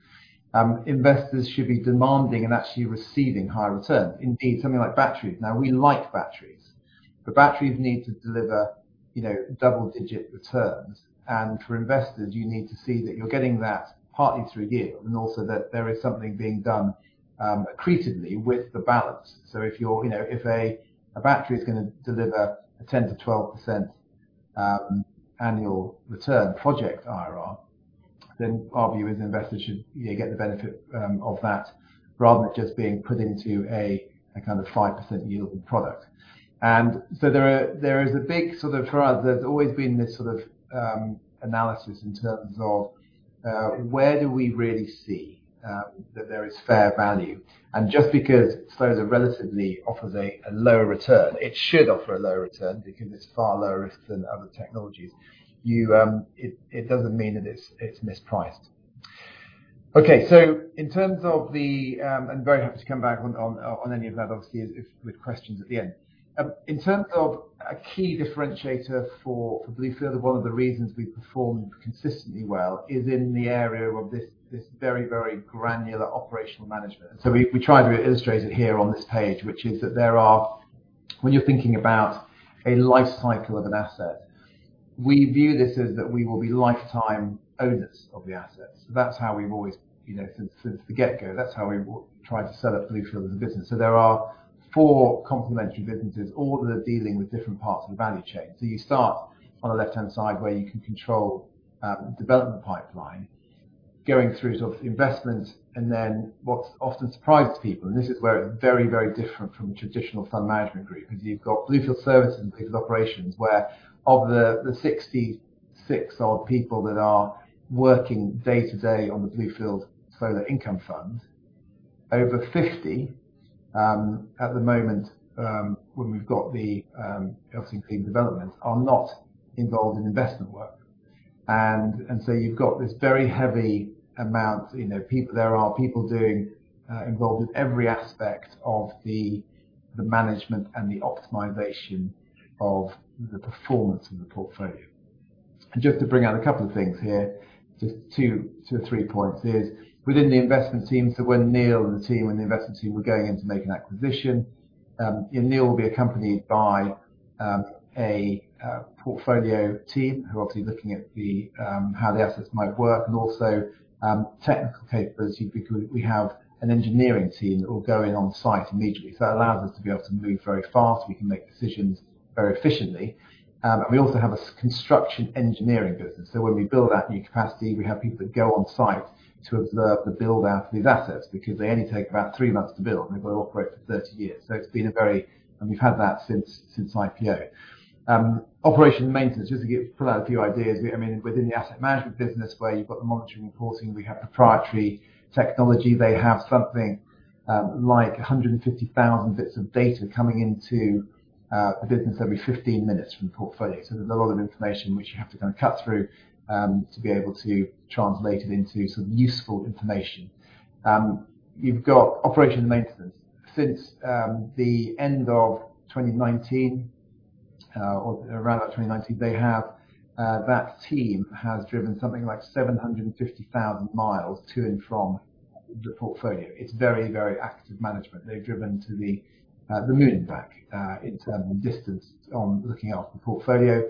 Investors should be demanding and actually receiving higher returns. Indeed, something like batteries. Now, we like batteries, but batteries need to deliver double-digit returns. For investors, you need to see that you're getting that partly through yield, and also that there is something being done accretively with the balance. If a battery is going to deliver a 10%-12% annual return project, IRR, our view is investors should get the benefit of that rather than just being put into a kind of 5% yield product. There is a big, sort of, for us, there's always been this sort of analysis in terms of where do we really see that there is fair value. Just because solar relatively offers a lower return, it should offer a lower return because it's far lower risk than other technologies. It doesn't mean that it's mispriced. Okay. In terms of, I'm very happy to come back on any of that, obviously, with questions at the end. In terms of a key differentiator for Bluefield, or one of the reasons we've performed consistently well, is in the area of this very granular operational management. We try to illustrate it here on this page, which is that when you're thinking about a life cycle of an asset, we view this as that we will be lifetime owners of the assets. Since the get-go, that's how we tried to set up Bluefield as a business. There are four complementary businesses, all that are dealing with different parts of the value chain. You start on the left-hand side where you can control development pipeline, going through investment, and then what often surprises people, and this is where it's very different from traditional fund management groups. You've got Bluefield Services and Bluefield Operations, where of the 66-odd people that are working day-to-day on the Bluefield Solar Income Fund, over 50 at the moment when we've got the LCP development, are not involved in investment work. You've got this very heavy amount. There are people involved in every aspect of the management and the optimization of the performance of the portfolio. Just to bring out a couple of things here, just two to three points is within the investment team. When Neil and the investment team were going in to make an acquisition, Neil will be accompanied by a portfolio team who are obviously looking at how the assets might work and also technical capability because we have an engineering team that will go in on site immediately. That allows us to be able to move very fast. We can make decisions very efficiently. We also have a construction engineering business. When we build that new capacity, we have people that go on site to observe the build-out of these assets because they only take about three months to build. They've got to operate for 30 years. We've had that since IPO. Operation and maintenance, just to pull out a few ideas. Within the asset management business where you've got the monitoring reporting, we have proprietary technology. They have something like 150,000 bits of data coming into a business every 15 minutes from the portfolio. There's a lot of information which you have to kind of cut through to be able to translate it into useful information. You've got operation and maintenance. Since the end of 2019, or around about 2019, that team has driven something like 750,000 mi to and from the portfolio. It's very active management. They've driven to the moon and back in terms of distance on looking after the portfolio.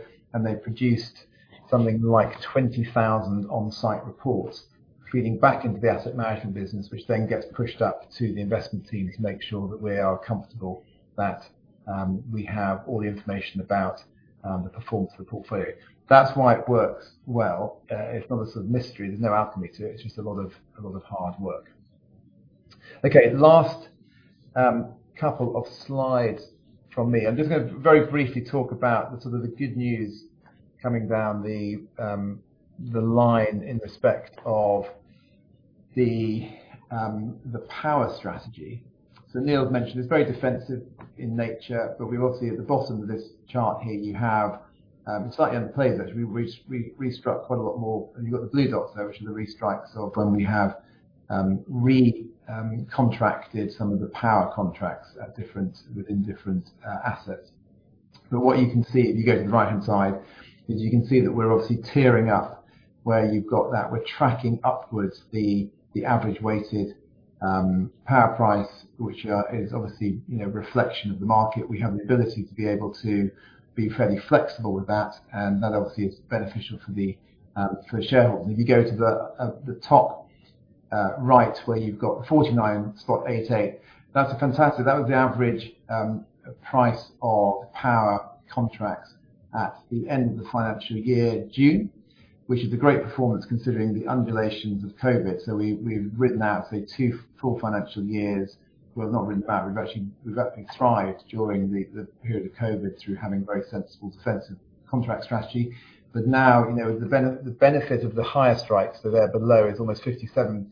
They've produced something like 20,000 on-site reports feeding back into the asset management business, which then gets pushed up to the investment team to make sure that we are comfortable that we have all the information about the performance of the portfolio. That's why it works well. It's not a sort of mystery. There's no alchemy to it. It's just a lot of hard work. Okay, last couple of slides from me. I'm just going to very briefly talk about the sort of the good news coming down the line in respect of the power strategy. Neil's mentioned it's very defensive in nature, but we obviously at the bottom of this chart here. It's slightly underplayed, actually. We restruck quite a lot more. You've got the blue dots there, which are the restrikes of when we have recontracted some of the power contracts within different assets. What you can see if you go to the right-hand side is you can see that we're obviously tiering up where you've got that. We're tracking upwards the average weighted power price, which is obviously a reflection of the market. We have the ability to be able to be fairly flexible with that, and that obviously is beneficial for shareholders. If you go to the top right where you've got the 49.88 per megawatt hour, that's fantastic. That was the average price of power contracts at the end of the financial year, June, which is a great performance considering the undulations of COVID. We've ridden out, say two full financial years. Well, not ridden out. We've actually thrived during the period of COVID through having a very sensible defensive contract strategy. Now the benefit of the higher strikes, so they're below, is almost 57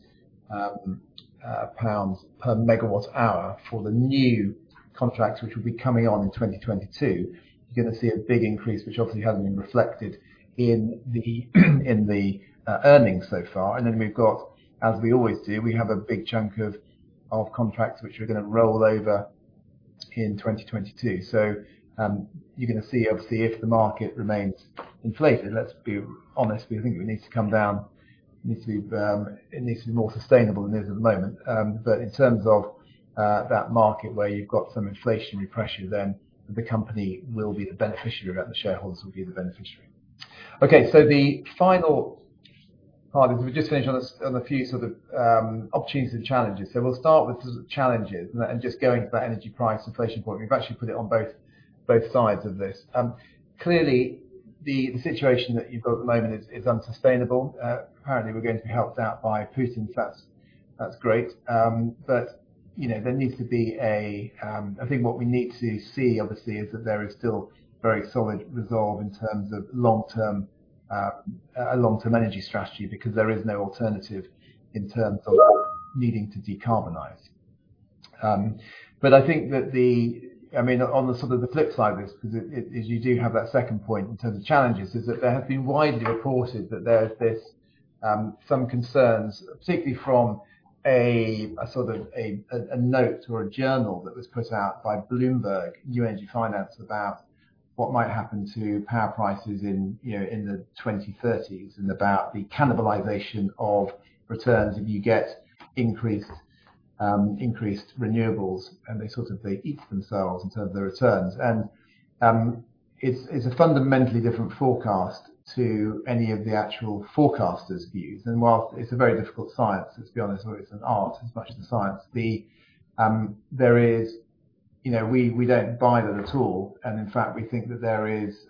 pounds per megawatt hour for the new contracts which will be coming on in 2022. You're going to see a big increase which obviously hasn't been reflected in the earnings so far. We've got, as we always do, we have a big chunk of contracts which are going to roll over in 2022. You're going to see obviously, if the market remains inflated. Let's be honest, we think it needs to come down. It needs to be more sustainable than it is at the moment. In terms of that market where you've got some inflationary pressure, then the company will be the beneficiary of that, and the shareholders will be the beneficiary. The final part is we just finished on a few sort of opportunities and challenges. We'll start with challenges and just going to that energy price inflation point. We've actually put it on both sides of this. Clearly, the situation that you've got at the moment is unsustainable. Apparently, we're going to be helped out by Putin, that's great. I think what we need to see, obviously, is that there is still very solid resolve in terms of a long-term energy strategy because there is no alternative in terms of needing to decarbonize. I think that on the sort of the flip side of this. Because as you do have that second point in terms of challenges, is that there have been widely reported that there's some concerns. Particularly from a sort of a note or a journal that was put out by Bloomberg New Energy Finance about what might happen to power prices in the 2030s and about the cannibalization of returns that you get increased renewables and they sort of eat themselves in terms of their returns. It's a fundamentally different forecast to any of the actual forecasters' views. While it's a very difficult science, let's be honest, or it's an art as much as a science, we don't buy that at all. In fact, we think that there's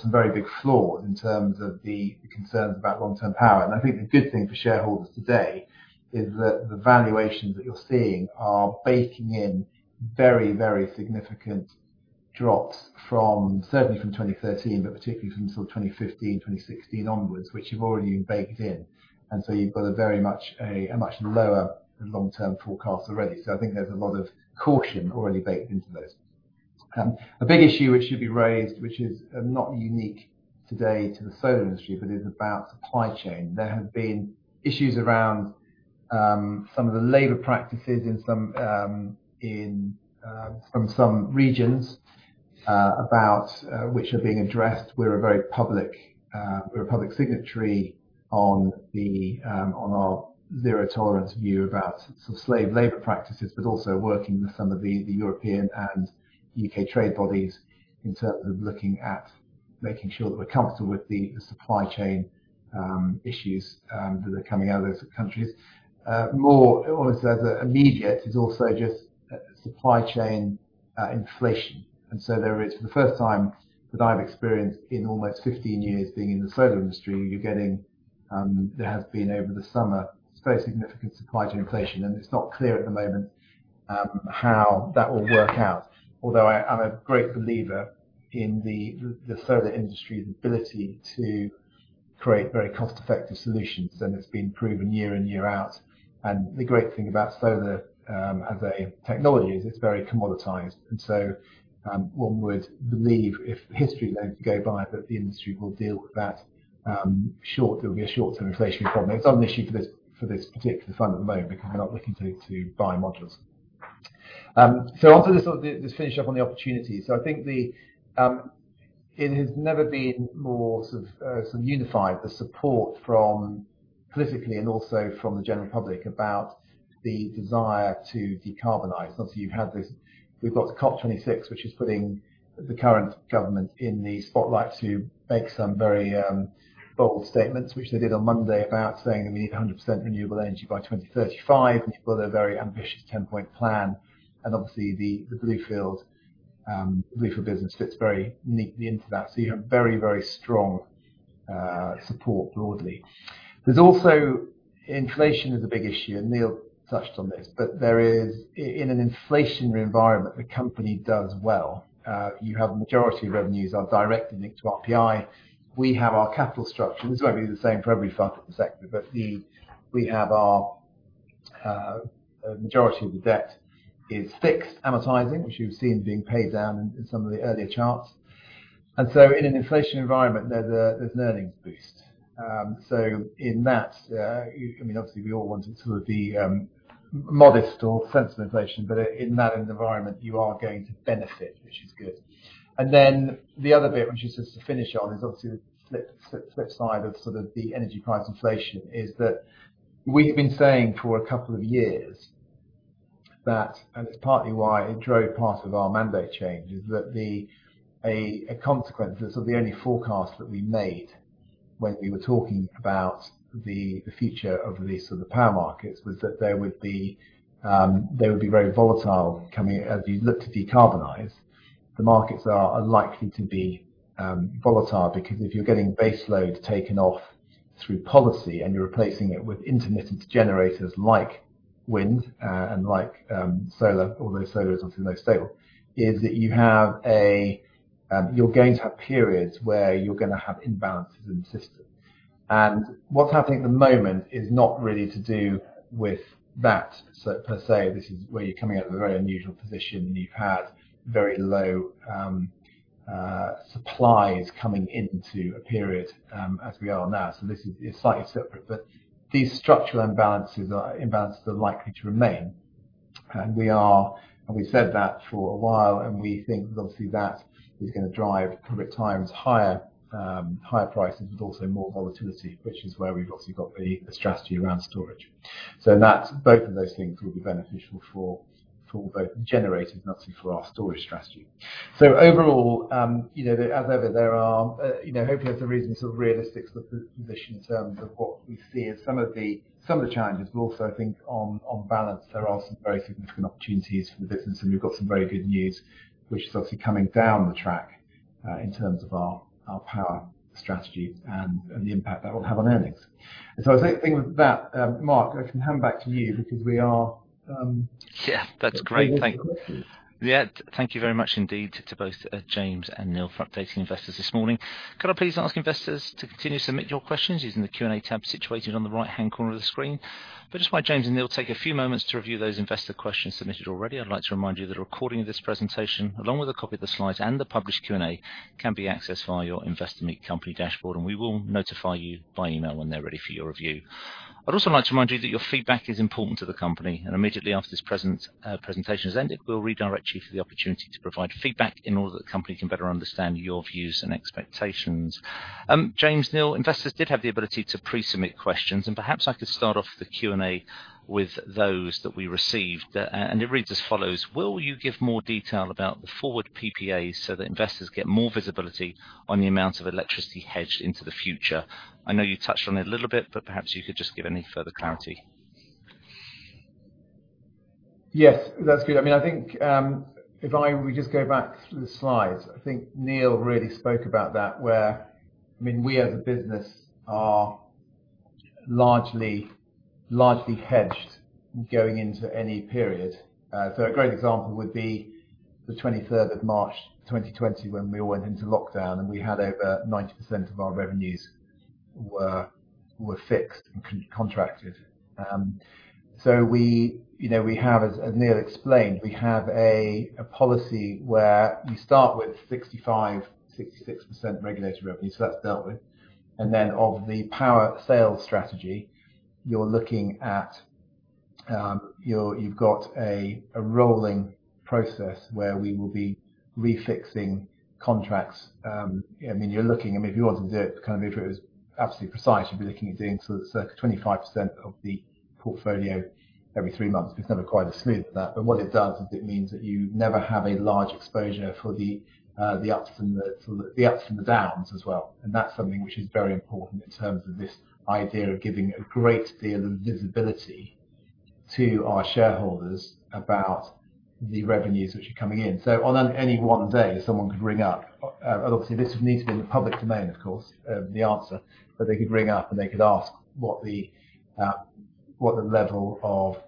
some very big flaws in terms of the concerns about long-term power. I think the good thing for shareholders today is that the valuations that you're seeing are baking in very significant drops, certainly from 2013. Particularly from sort of 2015, 2016 onwards, which have already been baked in. You've got a much lower long-term forecast already. I think there's a lot of caution already baked into those. A big issue which should be raised, which is not unique today to the solar industry, but is about supply chain. There have been issues around some of the labor practices from some regions about which are being addressed. We're a public signatory on our zero tolerance view about slave labor practices, but also working with some of the European and U.K. trade bodies in terms of looking at making sure that we're comfortable with the supply chain issues that are coming out of those countries. More, almost as immediate is also just supply chain inflation. There is, for the first time that I've experienced in almost 15 years being in the solar industry, there has been over the summer, very significant supply chain inflation. It's not clear at the moment how that will work out, although I'm a great believer in the solar industry's ability to create very cost-effective solutions. It's been proven year in, year out. The great thing about solar as a technology is it's very commoditized. One would believe if history were to go by, that the industry will deal with that. There will be a short-term inflation problem. It's not an issue for this particular fund at the moment because we're not looking to buy modules. I'll just finish up on the opportunities. I think it has never been more unified, the support politically and also from the general public about the desire to decarbonize. Obviously, we've got COP26, which is putting the current government in the spotlight to make some very bold statements, which they did on Monday about saying that we need 100% renewable energy by 2035. People have a very ambitious Ten Point Plan. Obviously the Bluefield business fits very neatly into that. You have very strong support broadly. There's also inflation is a big issue, and Neil touched on this. In an inflationary environment, the company does well. You have majority of revenues are directly linked to RPI. We have our capital structure. This won't be the same for every fund in the sector, but we have our majority of the debt is fixed amortizing, which you've seen being paid down in some of the earlier charts. In an inflation environment, there's an earnings boost. In that, obviously we all want it to be modest or sensitive to inflation. In that environment you are going to benefit, which is good. The other bit, which is just to finish on, is obviously the flip side of the energy price inflation, is that we have been saying for a couple of years. It's partly why it drove part of our mandate change, a consequence, is that is the only forecast that we made when we were talking about the future of these power markets was that they would be very volatile as you look to decarbonize. The markets are unlikely to be volatile because if you're getting base loads taken off through policy and you're replacing it with intermittent generators like wind and like solar, although solar is obviously more stable, is that you're going to have periods where you're going to have imbalances in the system. What's happening at the moment is not really to do with that per se. This is where you're coming at it from a very unusual position. You've had very low supplies coming into a period as we are now, so this is slightly separate. These structural imbalances are likely to remain. We said that for a while. We think obviously that is going to drive probably at times higher prices, but also more volatility, which is where we've obviously got the strategy around storage. Both of those things will be beneficial for both generators and obviously for our storage strategy. Overall, as ever, hopefully that's a reason to realistically look at the position in terms of what we see as some of the challenges. I think on balance, there are some very significant opportunities for the business. We've got some very good news which is obviously coming down the track in terms of our power strategy and the impact that will have on earnings. I think with that, Mark, I can hand back to you. Yeah, that's great. Thank you. Yeah. Thank you very much indeed to both James and Neil for updating investors this morning. Could I please ask investors to continue to submit your questions using the Q&A tab situated on the right-hand corner of the screen. Just while James and Neil take a few moments to review those investor questions submitted already, I'd like to remind you that a recording of this presentation along with a copy of the slides and the published Q&A can be accessed via your Investor Meet Company dashboard. We will notify you by email when they're ready for your review. I'd also like to remind you that your feedback is important to the company. Immediately after this presentation has ended, we'll redirect you for the opportunity to provide feedback in order that the company can better understand your views and expectations. James, Neil, investors did have the ability to pre-submit questions. Perhaps I could start off the Q&A with those that we received. It reads as follows: Will you give more detail about the forward PPAs so that investors get more visibility on the amount of electricity hedged into the future? I know you touched on it a little bit. Perhaps you could just give any further clarity. Yes. That's good. I think, if we just go back to the slides, I think Neil really spoke about that where, we as a business are largely hedged going into any period. A great example would be the 23rd of March 2020 when we all went into lockdown, and we had over 90% of our revenues were fixed and contracted. As Neil explained, we have a policy where you start with 65%, 66% regulatory revenue, so that's dealt with. Then of the power sales strategy, you're looking at, you've got a rolling process where we will be refixing contracts. If you wanted to do it, kind of interest, absolutely precise. You'd be looking at doing sort of circa 25% of the portfolio every three months. It's never quite as smooth as that. What it does is it means that you never have a large exposure for the ups and the downs as well. That's something which is very important in terms of this idea of giving a great deal of visibility to our shareholders about the revenues which are coming in. On any one day, someone could ring up. Obviously, this would need to be in the public domain, of course. The answer, but they could ring up and they could ask what the level of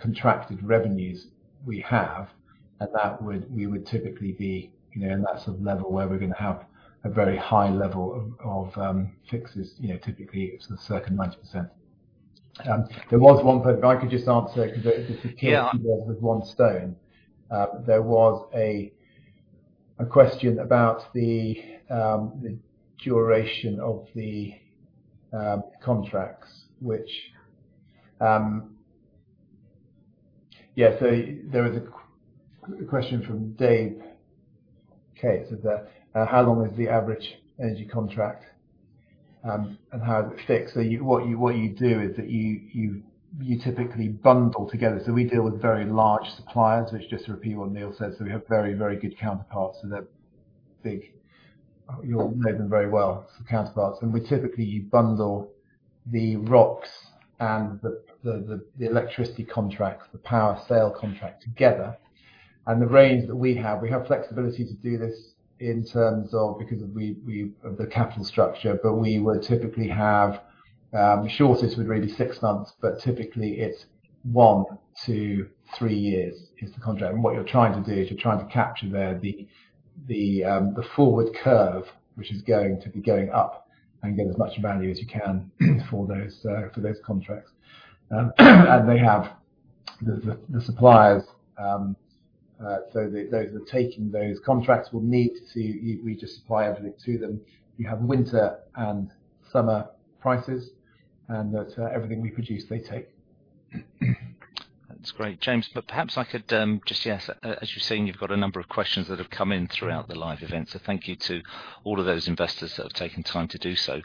contracted revenues we have. We would typically be in that sort of level where we're going to have a very high level of fixes. Typically sort of circa 90%. There was one, if I could just answer- Yeah.... two birds with one stone. There was a question about the duration of the contracts. There was a question from [Dave]. Okay, it said that how long is the average energy contract, and how is it fixed? What you do is that you typically bundle together. We deal with very large suppliers, which just to repeat what Neil said, so we have very good counterparts. They're big. You'll know them very well, counterparts. We typically bundle the ROCs and the electricity contracts. The power sale contract together. The range that we have, we have flexibility to do this in terms of, because of the capital structure. We will typically have, shortest would really be six months, but typically it's one to three years is the contract. What you're trying to do is you're trying to capture there the forward curve, which is going to be going up, and get as much value as you can for those contracts. They have the suppliers, so those are taking those contracts. We just supply everything to them. You have winter and summer prices. Everything we produce, they take. That's great, James. Perhaps I could just, yeah, as you're saying, you've got a number of questions that have come in throughout the live event. Thank you to all of those investors that have taken time to do so.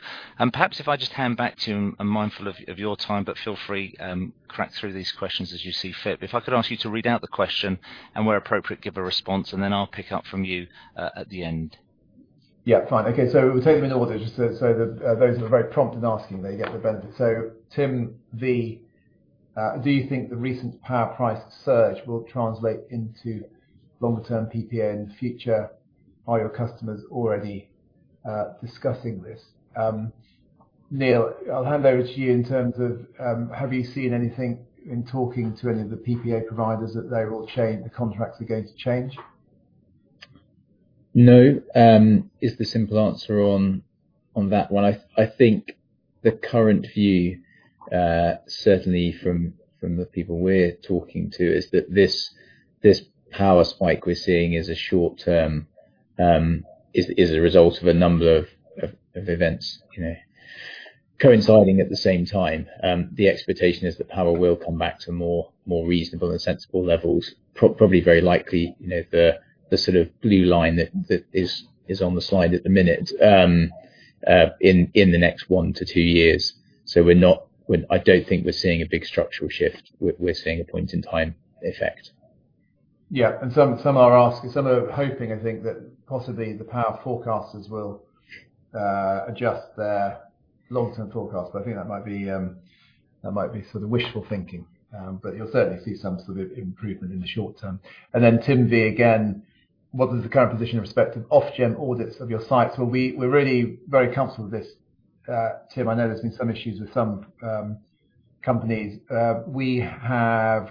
Perhaps, if I just hand back to... I'm mindful of your time, but feel free, crack through these questions as you see fit. If I could ask you to read out the question, and where appropriate, give a response, and then I'll pick up from you at the end. Yeah. Fine. Okay, we'll take them in order just so that those who are very prompt in asking, they get the benefit. [Tim V]. Do you think the recent power price surge will translate into longer term PPA in the future? Are your customers already discussing this? Neil, I'll hand over to you in terms of, have you seen anything in talking to any of the PPA providers that they will change, the contracts are going to change? No, is the simple answer on that one. I think the current view, certainly from the people we're talking to, is that this power spike we're seeing is a short term, is a result of a number of events coinciding at the same time. The expectation is that power will come back to more reasonable and sensible levels. Probably very likely, the sort of blue line that is on the slide at the minute in the next one to two years. I don't think we're seeing a big structural shift. We're seeing a point-in-time effect. Yeah. Some are asking, some are hoping, I think, that possibly the power forecasters will adjust their long-term forecast. I think that might be sort of wishful thinking. You'll certainly see some sort of improvement in the short term. [Tim V] again. What is the current position with respect to Ofgem audits of your site? We're really very comfortable with this, [Tim]. I know there's been some issues with some companies. We're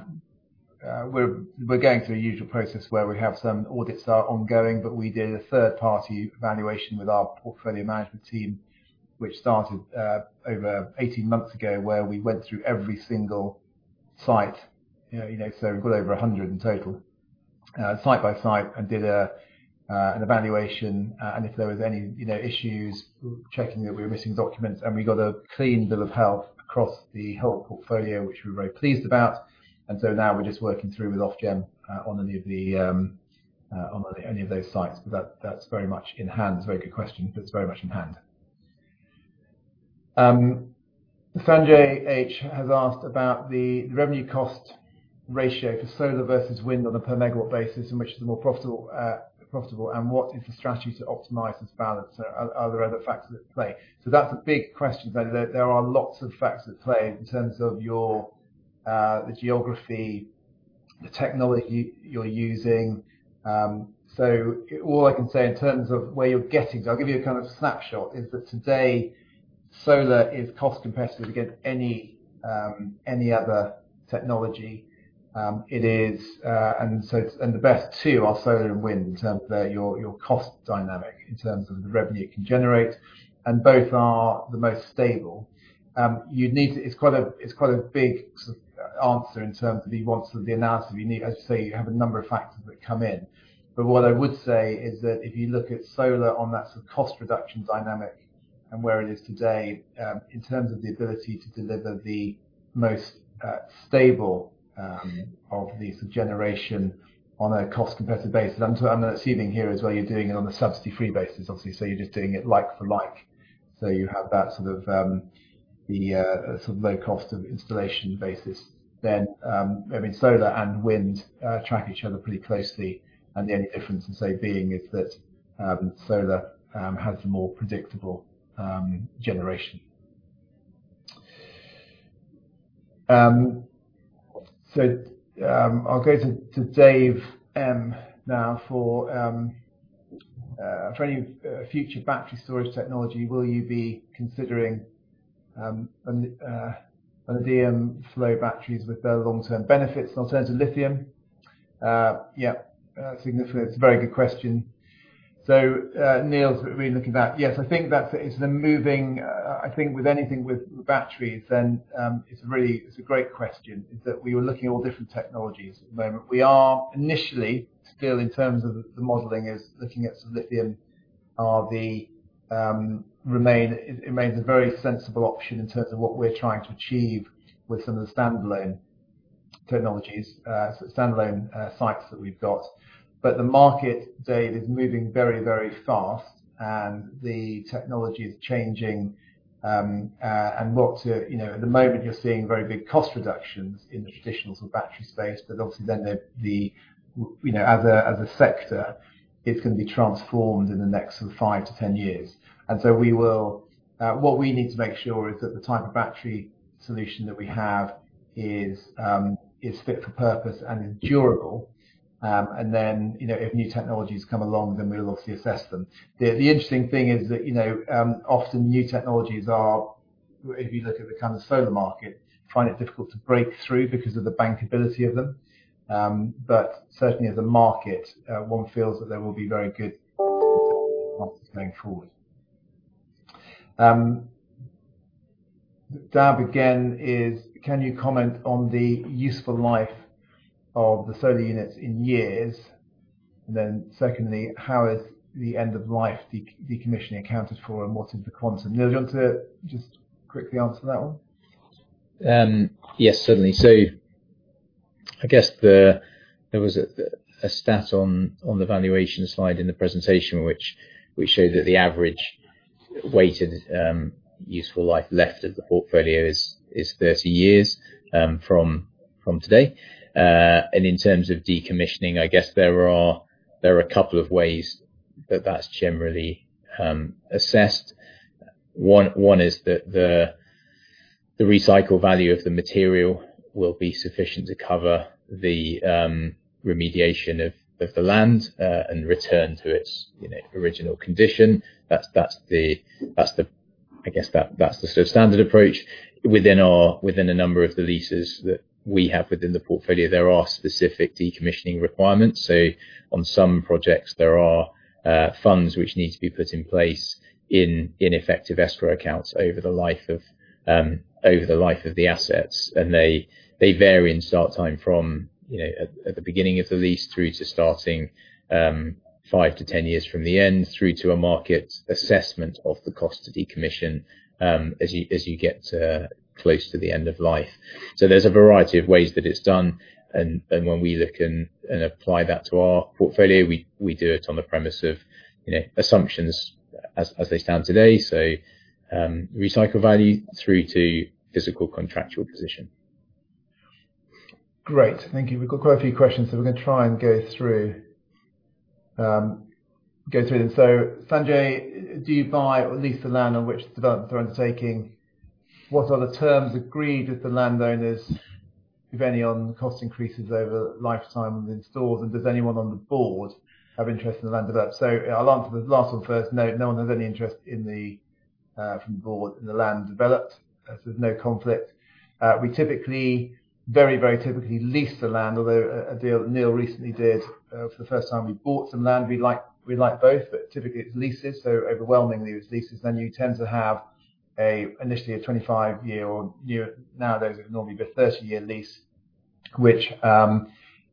going through a usual process where we have some audits are ongoing, but we did a third-party evaluation with our portfolio management team, which started over 18 months ago, where we went through every single site. We've got over 100 in total, site by site, and did an evaluation. If there was any issues, checking that we were missing documents, and we got a clean bill of health across the whole portfolio, which we were very pleased about. Now we're just working through with Ofgem, on any of those sites. That's very much in hand. It's a very good question, but it's very much in hand. [Sanjay H.] has asked about the revenue cost ratio for solar versus wind on a per megawatt basis and which is the more profitable? What is the strategy to optimize this balance? Are there other factors at play? That's a big question. There are lots of factors at play in terms of the geography, the technology you're using. All I can say in terms of where you're getting to, I'll give you a snapshot, is that today solar is cost competitive against any other technology. The best two are solar and wind in terms of your cost dynamic, in terms of the revenue it can generate, and both are the most stable. It's quite a big answer in terms of the analysis you need. As I say, you have a number of factors that come in. What I would say is that if you look at solar on that sort of cost reduction dynamic and where it is today, in terms of the ability to deliver the most stable of the generation on a cost competitive basis. I'm assuming here as well, you're doing it on a subsidy-free basis, obviously. You're just doing it like for like. You have that low cost of installation basis then. Solar and wind track each other pretty closely. The only difference in, say, being is that solar has a more predictable generation. I'll go to [Dave M.] now. For any future battery storage technology, will you be considering vanadium flow batteries with their long-term benefits, an alternative to lithium? Yeah. Significant. It's a very good question. Neil's been looking at that. Yes. I think with anything with batteries, it's a great question, is that we are looking at all different technologies at the moment. We are initially still in terms of the modeling is looking at some lithium. It remains a very sensible option in terms of what we're trying to achieve with some of the standalone technologies, standalone sites that we've got. The market, [Dave], is moving very fast and the technology is changing. At the moment you're seeing very big cost reductions in the traditional sort of battery space, obviously then as a sector, it's going to be transformed in the next 5-10 years. What we need to make sure is that the type of battery solution that we have is fit for purpose and is durable. If new technologies come along, then we'll obviously assess them. The interesting thing is that, often new technologies are, if you look at the kind of solar market, find it difficult to break through because of the bankability of them. Certainly as a market, one feels that there will be very good going forward. [Dave] again is, can you comment on the useful life of the solar units in years? Secondly, how is the end of life decommissioning accounted for, and what is the quantum? Neil, do you want to just quickly answer that one? Yes, certainly. I guess there was a stat on the valuation slide in the presentation, which showed that the average weighted useful life left of the portfolio is 30 years from today. In terms of decommissioning, I guess there are a couple of ways that's generally assessed. One is that the recycle value of the material will be sufficient to cover the remediation of the land, and return to its original condition. I guess that's the standard approach. Within a number of the leases that we have within the portfolio, there are specific decommissioning requirements. On some projects, there are funds which need to be put in place in effective escrow accounts over the life of the assets. They vary in start time from at the beginning of the lease through to starting 5-10 years from the end, through to a market assessment of the cost to decommission, as you get close to the end of life. There's a variety of ways that it's done. When we look in and apply that to our portfolio, we do it on the premise of assumptions as they stand today. Recycle value through to physical contractual position. Great. Thank you. We've got quite a few questions, so we're going to try and go through them. [Sanjay]. Do you buy or lease the land on which the developments are undertaking? What are the terms agreed with the landowners, if any, on cost increases over the lifetime of installs? Does anyone on the Board have interest in the land developed? I'll answer the last one first. No one has any interest from the Board in the land developed. There's no conflict. We very typically lease the land. Although a deal Neil recently did, for the first time, we bought a land. We like both, but typically it's leases. Overwhelmingly, it's leases. You tend to have initially a 25-year or nowadays it's normally a 30-year lease, which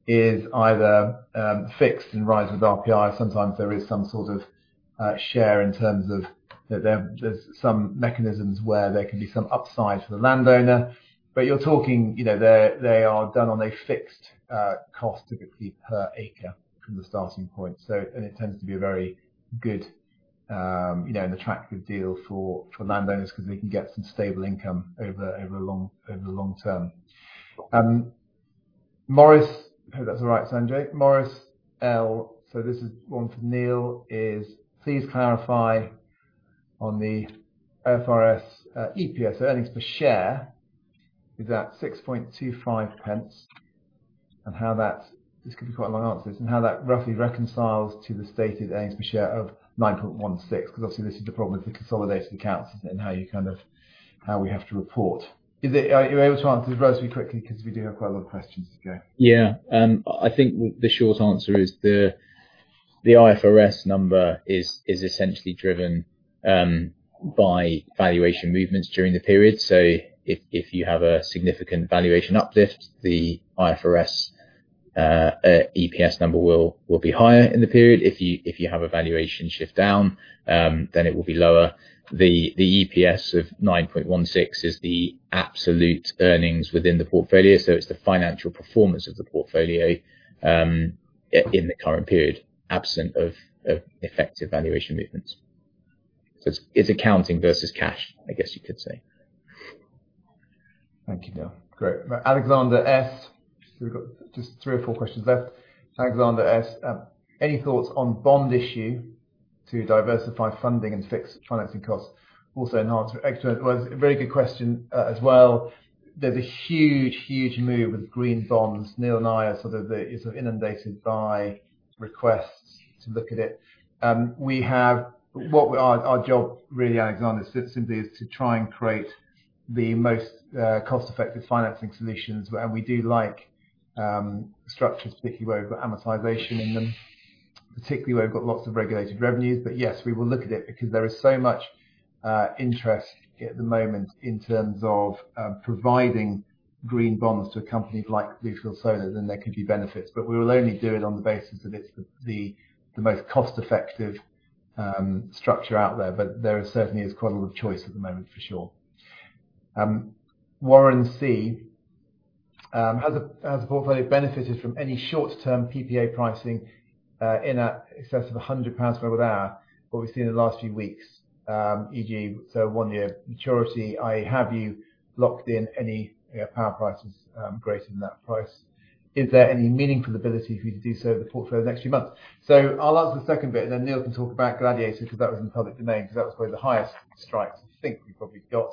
is either fixed and rises RPI. Sometimes there is some sort of share in terms of, there is some mechanisms where there can be some upside for the landowner. They are done on a fixed cost typically per acre from the starting point. It tends to be a very good and attractive deal for landowners because they can get some stable income over the long term. [Maurice]. Hope that is right, [Sanjay]. [Maurice L]. This is one for Neil, is please clarify on the IFRS EPS, so earnings per share, is at 0.0625. This could be quite a long answer. How that roughly reconciles to the stated earnings per share of 0.0916? Because, obviously this is the problem with the consolidated accounts and how we have to report. Are you able to answer it relatively quickly? Because we do have quite a lot of questions to go. I think the short answer is the IFRS number is essentially driven by valuation movements during the period. If you have a significant valuation uplift, the IFRS EPS number will be higher in the period. If you have a valuation shift down, then it will be lower. The EPS of 0.0916 is the absolute earnings within the portfolio. It's the financial performance of the portfolio in the current period, absent of effective valuation movements. It's accounting versus cash, I guess you could say. Thank you, Neil. Great. [Alexander S]. We've got just three or four questions left. [Alexander] asks, any thoughts on bond issue to diversify funding and fix financing costs? It's a very good question as well. There's a huge, huge move with green bonds. Neil and I are sort of inundated by requests to look at it. Our job really, [Alexander], is simply to try and create the most cost-effective financing solutions. We do like structures, particularly where we've got amortization in them, particularly where we've got lots of regulated revenues. Yes, we will look at it because there is so much interest at the moment in terms of providing green bonds to companies like Bluefield Solar, then there could be benefits. We will only do it on the basis that it's the most cost-effective structure out there. There certainly is quite a lot of choice at the moment for sure. [Warren C]. Has the portfolio benefited from any short-term PPA pricing in excess of 100 pounds per watt hour what we've seen in the last few weeks? e.g., so one-year maturity. I have you locked in any power prices greater than that price? Is there any meaningful ability for you to do so over the portfolio the next few months? I'll answer the second bit. Neil can talk about Gladiator because that was in the public domain, because that was probably the highest strikes I think we probably got.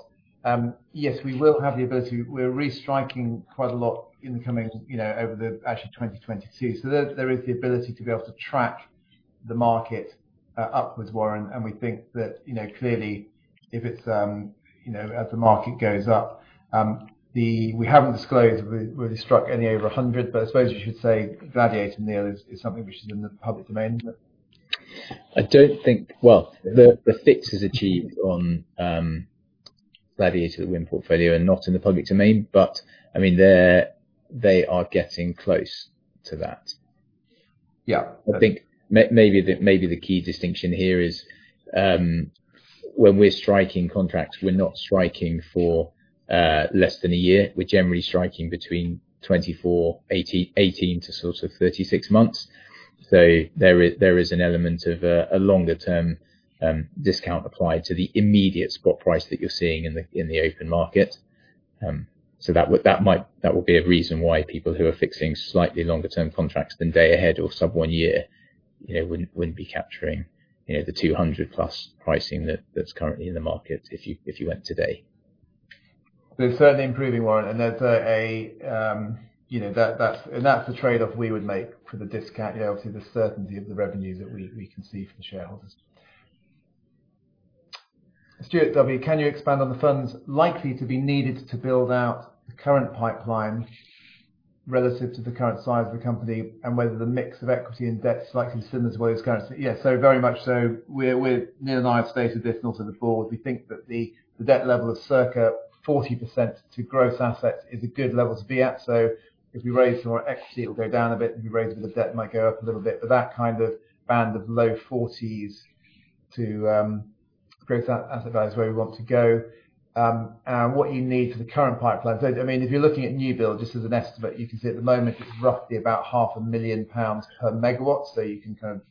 Yes, we will have the ability. We're restriking quite a lot over the actual 2022. There is the ability to be able to track the market upwards, [Warren]. We think that, clearly, if it's as the market goes up... we haven't disclosed whether we struck any over 100. I suppose we should say Gladiator, Neil, is something which is in the public domain. Well, the fix is achieved on Gladiator, wind portfolio and not in the public domain. They are getting close to that. Yeah. I think maybe the key distinction here is, when we're striking contracts, we're not striking for less than a year. We're generally striking between 24 months, 18-36 months. There is an element of a longer-term discount applied to the immediate spot price that you're seeing in the open market. That would be a reason why people who are fixing slightly longer-term contracts than day ahead or sub one year wouldn't be capturing the 200+ pricing that's currently in the market if you went today. They're certainly improving, [Warren]. That's the trade-off we would make for the discount. Obviously, the certainty of the revenues that we can see for the shareholders. [Stuart W]. Can you expand on the funds likely to be needed to build out the current pipeline relative to the current size of the company? Whether the mix of equity and debt is likely similar to where it's going? Yeah. Very much so. Neil and I have stated this, and also the Board. We think that the debt level of circa 40% to gross assets is a good level to be at. If we raise more equity, it'll go down a bit. If we raise a bit of debt, it might go up a little bit. That kind of band of low 40s to gross asset value is where we want to go. What you need for the current pipeline. If you are looking at new build, just as an estimate, you can see at the moment it is roughly about 500,000 pounds per MW. So you can kind of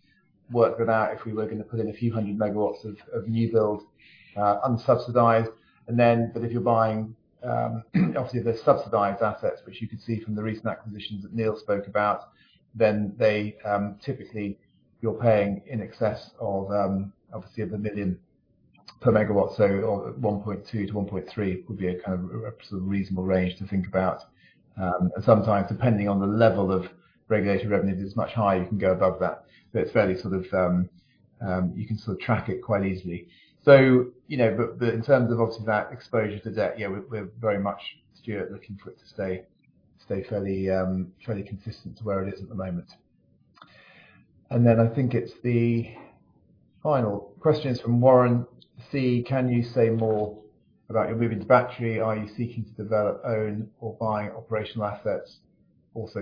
work that out if we were going to put in a few hundred megawatts of new build, unsubsidized. But if you are buying, obviously, the subsidized assets, which you could see from the recent acquisitions that Neil spoke about. Typically, you are paying in excess of, obviously of 1 million per MW, so 1.2 million-1.3 million per MW would be a kind of reasonable range to think about. And sometimes, depending on the level of regulated revenue. If it is much higher, you can go above that. You can sort of track it quite easily. In terms of, obviously, that exposure to debt. We're very much, [Stuart], looking for it to stay fairly consistent to where it is at the moment. I think it's the final question is from [Warren C]. Can you say more about your move into battery? Are you seeking to develop, own, or buy operational assets?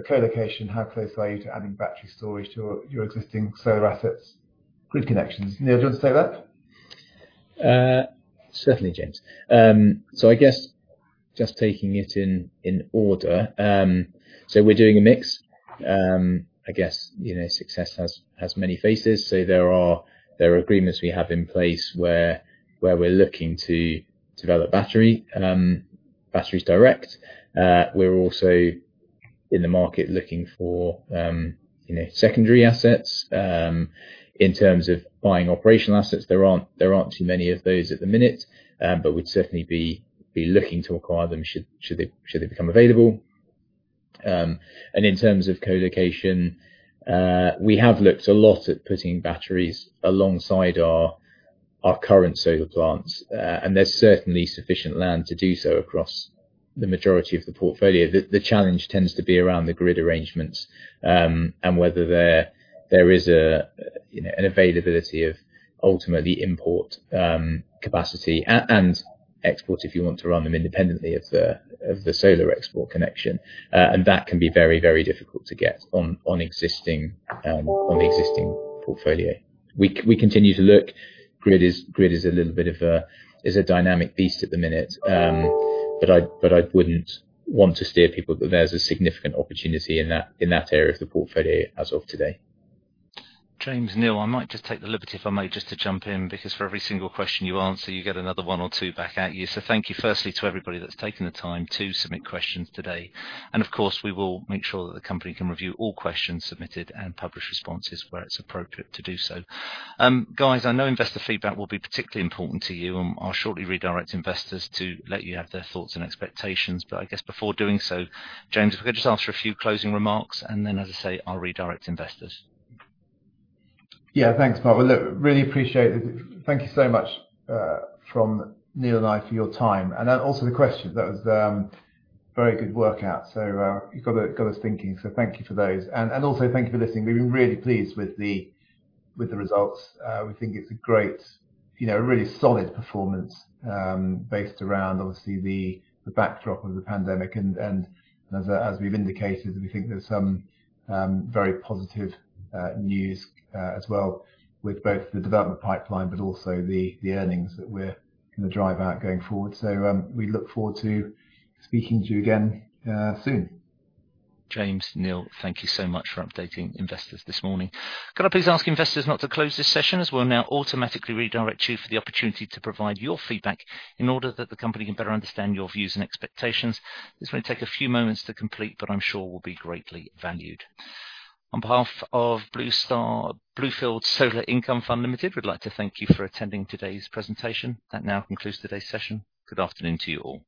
Co-location, how close are you to adding battery storage to your existing solar assets, grid connections? Neil, do you want to take that? Certainly, James. I guess just taking it in order. We're doing a mix. I guess success has many faces. There are agreements we have in place where we're looking to develop batteries direct. We're also in the market looking for secondary assets. In terms of buying operational assets, there aren't too many of those at the minute. We'd certainly be looking to acquire them should they become available. In terms of co-location, we have looked a lot at putting batteries alongside our current solar plants. There's certainly sufficient land to do so across the majority of the portfolio. The challenge tends to be around the grid arrangements, and whether there is an availability of ultimately import capacity and export, if you want to run them independently of the solar export connection. That can be very, very difficult to get on the existing portfolio. We continue to look. Grid is a little bit of a dynamic beast at the minute. I wouldn't want to steer people, that there's a significant opportunity in that area of the portfolio as of today. James, Neil, I might just take the liberty if I may just to jump in. Because for every single question you answer, you get another one or two back at you. Thank you firstly to everybody that's taken the time to submit questions today. Of course, we will make sure that the company can review all questions submitted and publish responses where it's appropriate to do so. Guys, I know investor feedback will be particularly important to you. I'll shortly redirect investors to let you have their thoughts and expectations. I guess before doing so, James, if I could just ask for a few closing remarks. Then, as I say, I'll redirect investors. Yeah. Thanks, Paul. Well, look, really appreciate it. Thank you so much, from Neil and I, for your time. Also the questions. That was very good workout. You got us thinking. Thank you for those. Also thank you for listening. We've been really pleased with the results. We think it's a great, really solid performance, based around obviously the backdrop of the pandemic. As we've indicated, we think there's some very positive news as well with both the development pipeline but also the earnings that we're going to drive out going forward. We look forward to speaking to you again soon. James, Neil, thank you so much for updating investors this morning. Could I please ask investors not to close this session as we'll now automatically redirect you for the opportunity to provide your feedback in order that the company can better understand your views and expectations. This may take a few moments to complete, but I'm sure will be greatly valued. On behalf of Bluefield Solar Income Fund Limited, we'd like to thank you for attending today's presentation. That now concludes today's session. Good afternoon to you all.